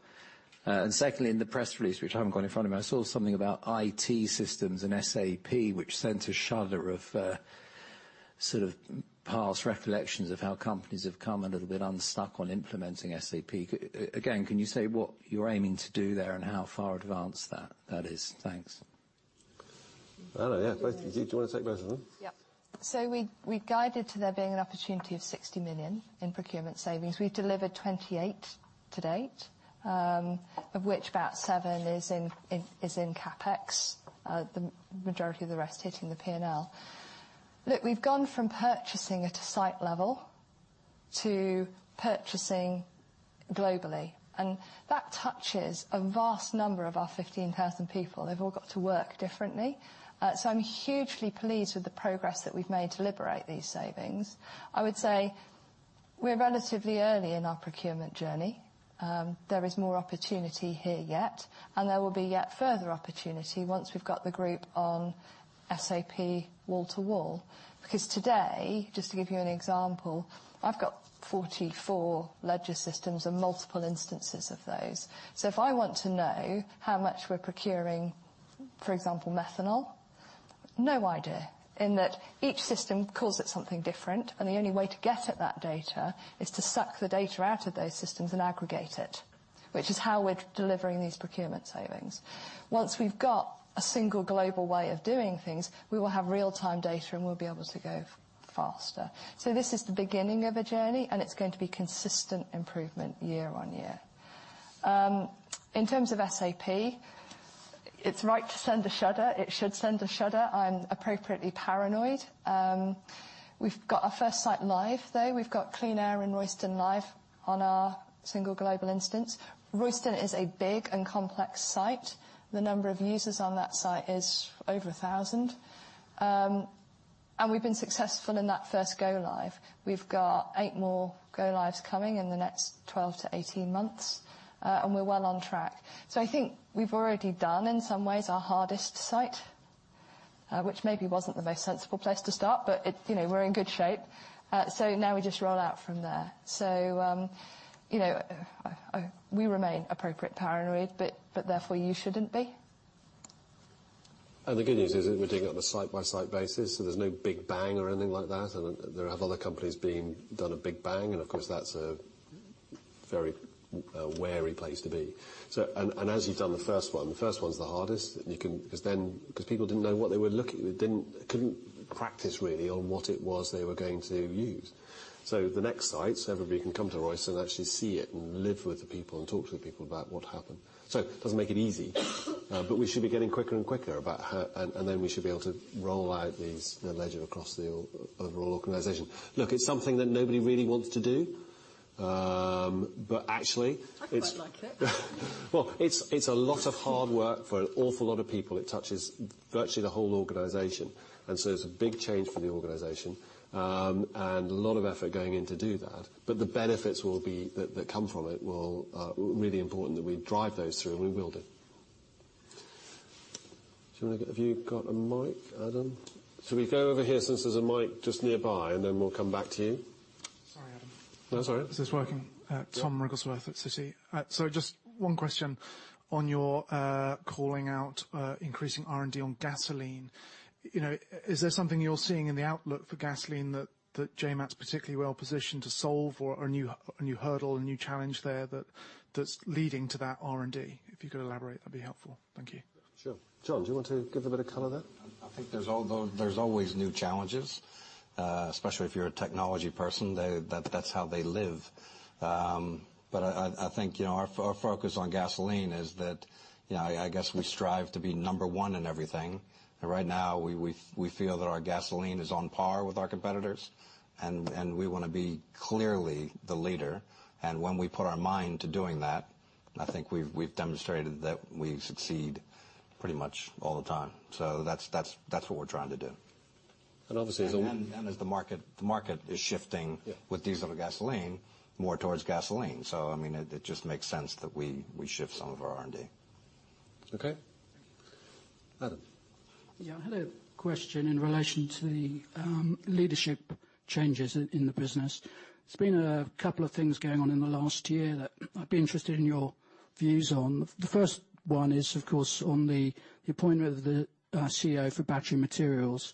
Secondly, in the press release, which I haven't got in front of me, I saw something about IT systems and SAP, which sent a shudder of sort of past recollections of how companies have come a little bit unstuck on implementing SAP. Can you say what you're aiming to do there and how far advanced that is? Thanks.
Anna, yeah. Do you want to take both of them?
Yep. We guided to there being an opportunity of 60 million in procurement savings. We've delivered 28 to date, of which about 7 is in CapEx, the majority of the rest hitting the P&L. Look, we've gone from purchasing at a site level to purchasing globally, and that touches a vast number of our 15,000 people. They've all got to work differently. I'm hugely pleased with the progress that we've made to liberate these savings. I would say we're relatively early in our procurement journey. There is more opportunity here yet, and there will be yet further opportunity once we've got the group on SAP wall to wall. Because today, just to give you an example, I've got 44 ledger systems and multiple instances of those. If I want to know how much we're procuring, for example, methanol, no idea, in that each system calls it something different. The only way to get at that data is to suck the data out of those systems and aggregate it, which is how we're delivering these procurement savings. Once we've got a single global way of doing things, we will have real time data and we'll be able to go faster. This is the beginning of a journey, and it's going to be consistent improvement year on year. In terms of SAP, it's right to send a shudder. It should send a shudder. I'm appropriately paranoid. We've got our first site live, though. We've got Clean Air and Royston live on our single global instance. Royston is a big and complex site. The number of users on that site is over 1,000. We've been successful in that first go live. We've got eight more go lives coming in the next 12 to 18 months. We're well on track. I think we've already done, in some ways, our hardest site, which maybe wasn't the most sensible place to start, but we're in good shape. Now we just roll out from there. We remain appropriate paranoid, but therefore, you shouldn't be.
The good news is that we're doing it on a site-by-site basis, there's no big bang or anything like that. There are other companies doing a big bang, and of course, that's a very wary place to be. As you've done the first one, the first one's the hardest because people didn't know what they were looking, couldn't practice really on what it was they were going to use. The next site, everybody can come to Royston and actually see it and live with the people and talk to the people about what happened. It doesn't make it easy, but we should be getting quicker and quicker about how, we should be able to roll out these ledger across the overall organization. It's something that nobody really wants to do. But actually.
I quite like it.
It's a lot of hard work for an awful lot of people. It touches virtually the whole organization. It's a big change for the organization, and a lot of effort going in to do that. The benefits that come from it will. Really important that we drive those through, and we will do. Have you got a mic, Adam? Should we go over here since there's a mic just nearby, we'll come back to you?
Sorry, Adam.
No, that's all right.
Is this working? Tom Wrigglesworth at Citi. Just one question. On your calling out increasing R&D on gasoline. Is there something you're seeing in the outlook for gasoline that JM might be particularly well positioned to solve or a new hurdle, a new challenge there that's leading to that R&D? If you could elaborate, that'd be helpful. Thank you.
Sure. John, do you want to give a bit of color there?
I think our focus on gasoline is that, I guess we strive to be number one in everything. Right now, we feel that our gasoline is on par with our competitors. We want to be clearly the leader. When we put our mind to doing that, I think we've demonstrated that we succeed pretty much all the time. That's what we're trying to do.
Obviously.
As the market is shifting.
Yeah
With diesel to gasoline, more towards gasoline. I mean, it just makes sense that we shift some of our R&D.
Okay, Adam.
I had a question in relation to the leadership changes in the business. There's been a couple of things going on in the last year that I'd be interested in your views on. The first one is, of course, on the appointment of the CEO for Battery Materials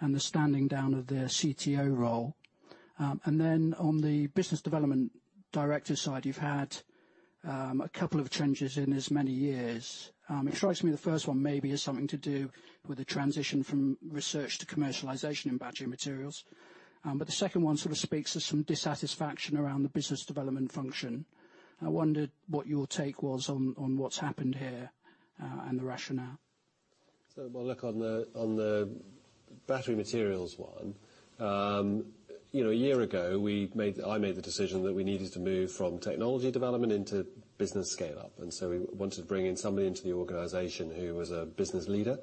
and the standing down of their CTO role. On the business development director side, you've had a couple of changes in as many years. It strikes me the first one maybe is something to do with the transition from research to commercialization in Battery Materials. The second one sort of speaks to some dissatisfaction around the business development function. I wondered what your take was on what's happened here, and the rationale.
I'll look on the Battery Materials one. A year ago, I made the decision that we needed to move from technology development into business scale up. We wanted to bring in somebody into the organization who was a business leader.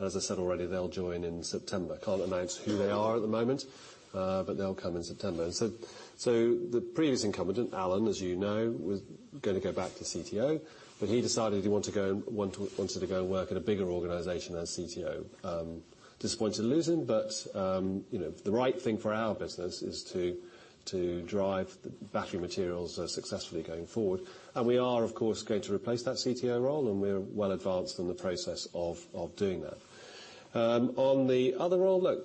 As I said already, they'll join in September. Can't announce who they are at the moment. They'll come in September. The previous incumbent, Alan, as you know, was going to go back to CTO. He decided he wanted to go and work at a bigger organization as CTO. Disappointed to lose him. The right thing for our business is to drive the Battery Materials successfully going forward. We are, of course, going to replace that CTO role, and we're well advanced in the process of doing that. On the other role, look,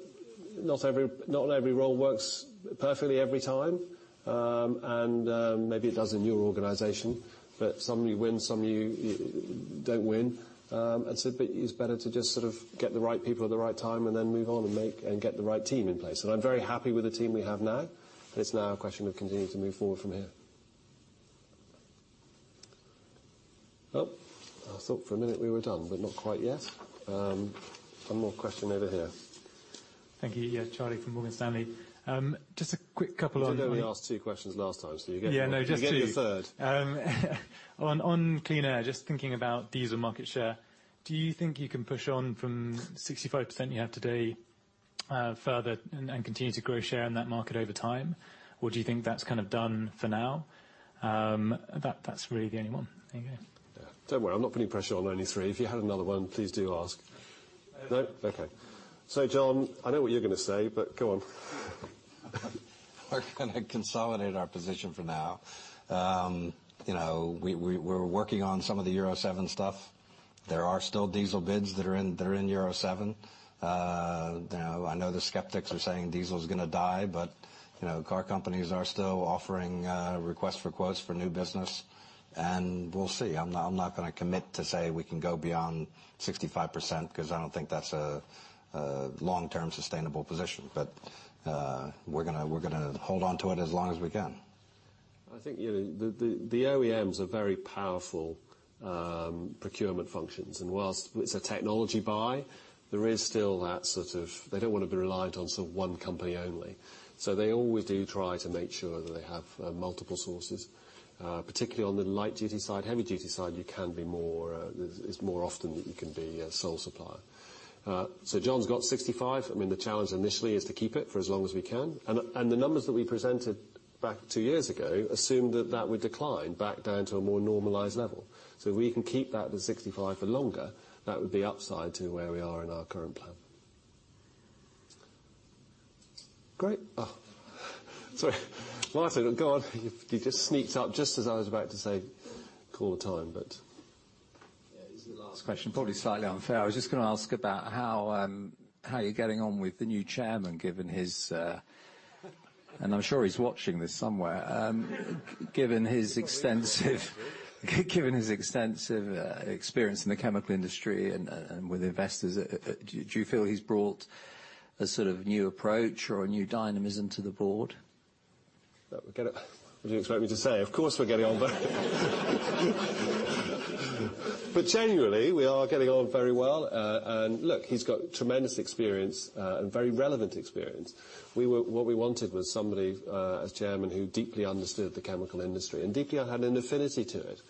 not every role works perfectly every time. Maybe it does in your organization. Some you win, some you don't win. It's better to just sort of get the right people at the right time, and then move on and get the right team in place. I'm very happy with the team we have now. It's now a question of continuing to move forward from here. I thought for a minute we were done. Not quite yet. One more question over here.
Thank you. Charlie from Morgan Stanley. Just a quick couple on-
You did only ask two questions last time, so you get.
Yeah, no, just two.
You get a third.
On Clean Air, just thinking about diesel market share, do you think you can push on from 65% you have today further and continue to grow share in that market over time? Do you think that's kind of done for now? That's really the only one. Thank you.
Yeah. Don't worry, I'm not putting pressure on only three. If you had another one, please do ask. Nope? Okay. John, I know what you're going to say, but go on.
We're going to consolidate our position for now. We're working on some of the Euro 7 stuff. There are still diesel bids that are in Euro 7. I know the skeptics are saying diesel's going to die, but car companies are still offering requests for quotes for new business, and we'll see. I'm not going to commit to say we can go beyond 65%, because I don't think that's a long-term sustainable position. We're gonna hold onto it as long as we can.
I think the OEMs are very powerful procurement functions. Whilst it's a technology buy, there is still that, they don't want to be reliant on one company only. They always do try to make sure that they have multiple sources, particularly on the light duty side. Heavy duty side, it's more often that you can be a sole supplier. John's got 65. The challenge initially is to keep it for as long as we can. The numbers that we presented back two years ago assumed that that would decline back down to a more normalized level. If we can keep that at 65 for longer, that would be upside to where we are in our current plan. Great. Oh. Sorry. Martin, go on. You just sneaked up just as I was about to say call the time.
Yeah, this is the last question. Probably slightly unfair. I was just going to ask about how you're getting on with the new chairman. I'm sure he's watching this somewhere.
He's probably
Given his extensive experience in the chemical industry and with investors, do you feel he's brought a sort of new approach or a new dynamism to the board?
What do you expect me to say? Of course, we're getting on. Genuinely, we are getting on very well. Look, he's got tremendous experience, and very relevant experience. What we wanted was somebody as chairman who deeply understood the chemical industry and deeply had an affinity to it.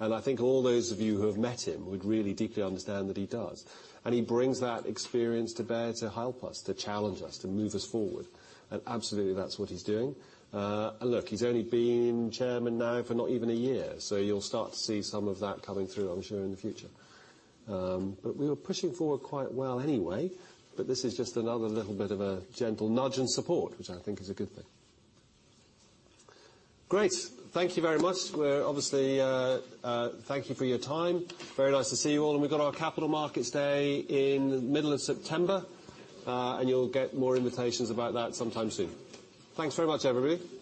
I think all those of you who have met him would really deeply understand that he does. He brings that experience to bear to help us, to challenge us, to move us forward. Absolutely that's what he's doing. Look, he's only been chairman now for not even a year, so you'll start to see some of that coming through, I'm sure, in the future. We were pushing forward quite well anyway, but this is just another little bit of a gentle nudge and support, which I think is a good thing. Great. Thank you very much. Thank you for your time. Very nice to see you all. We've got our capital markets day in the middle of September. You'll get more invitations about that sometime soon. Thanks very much, everybody.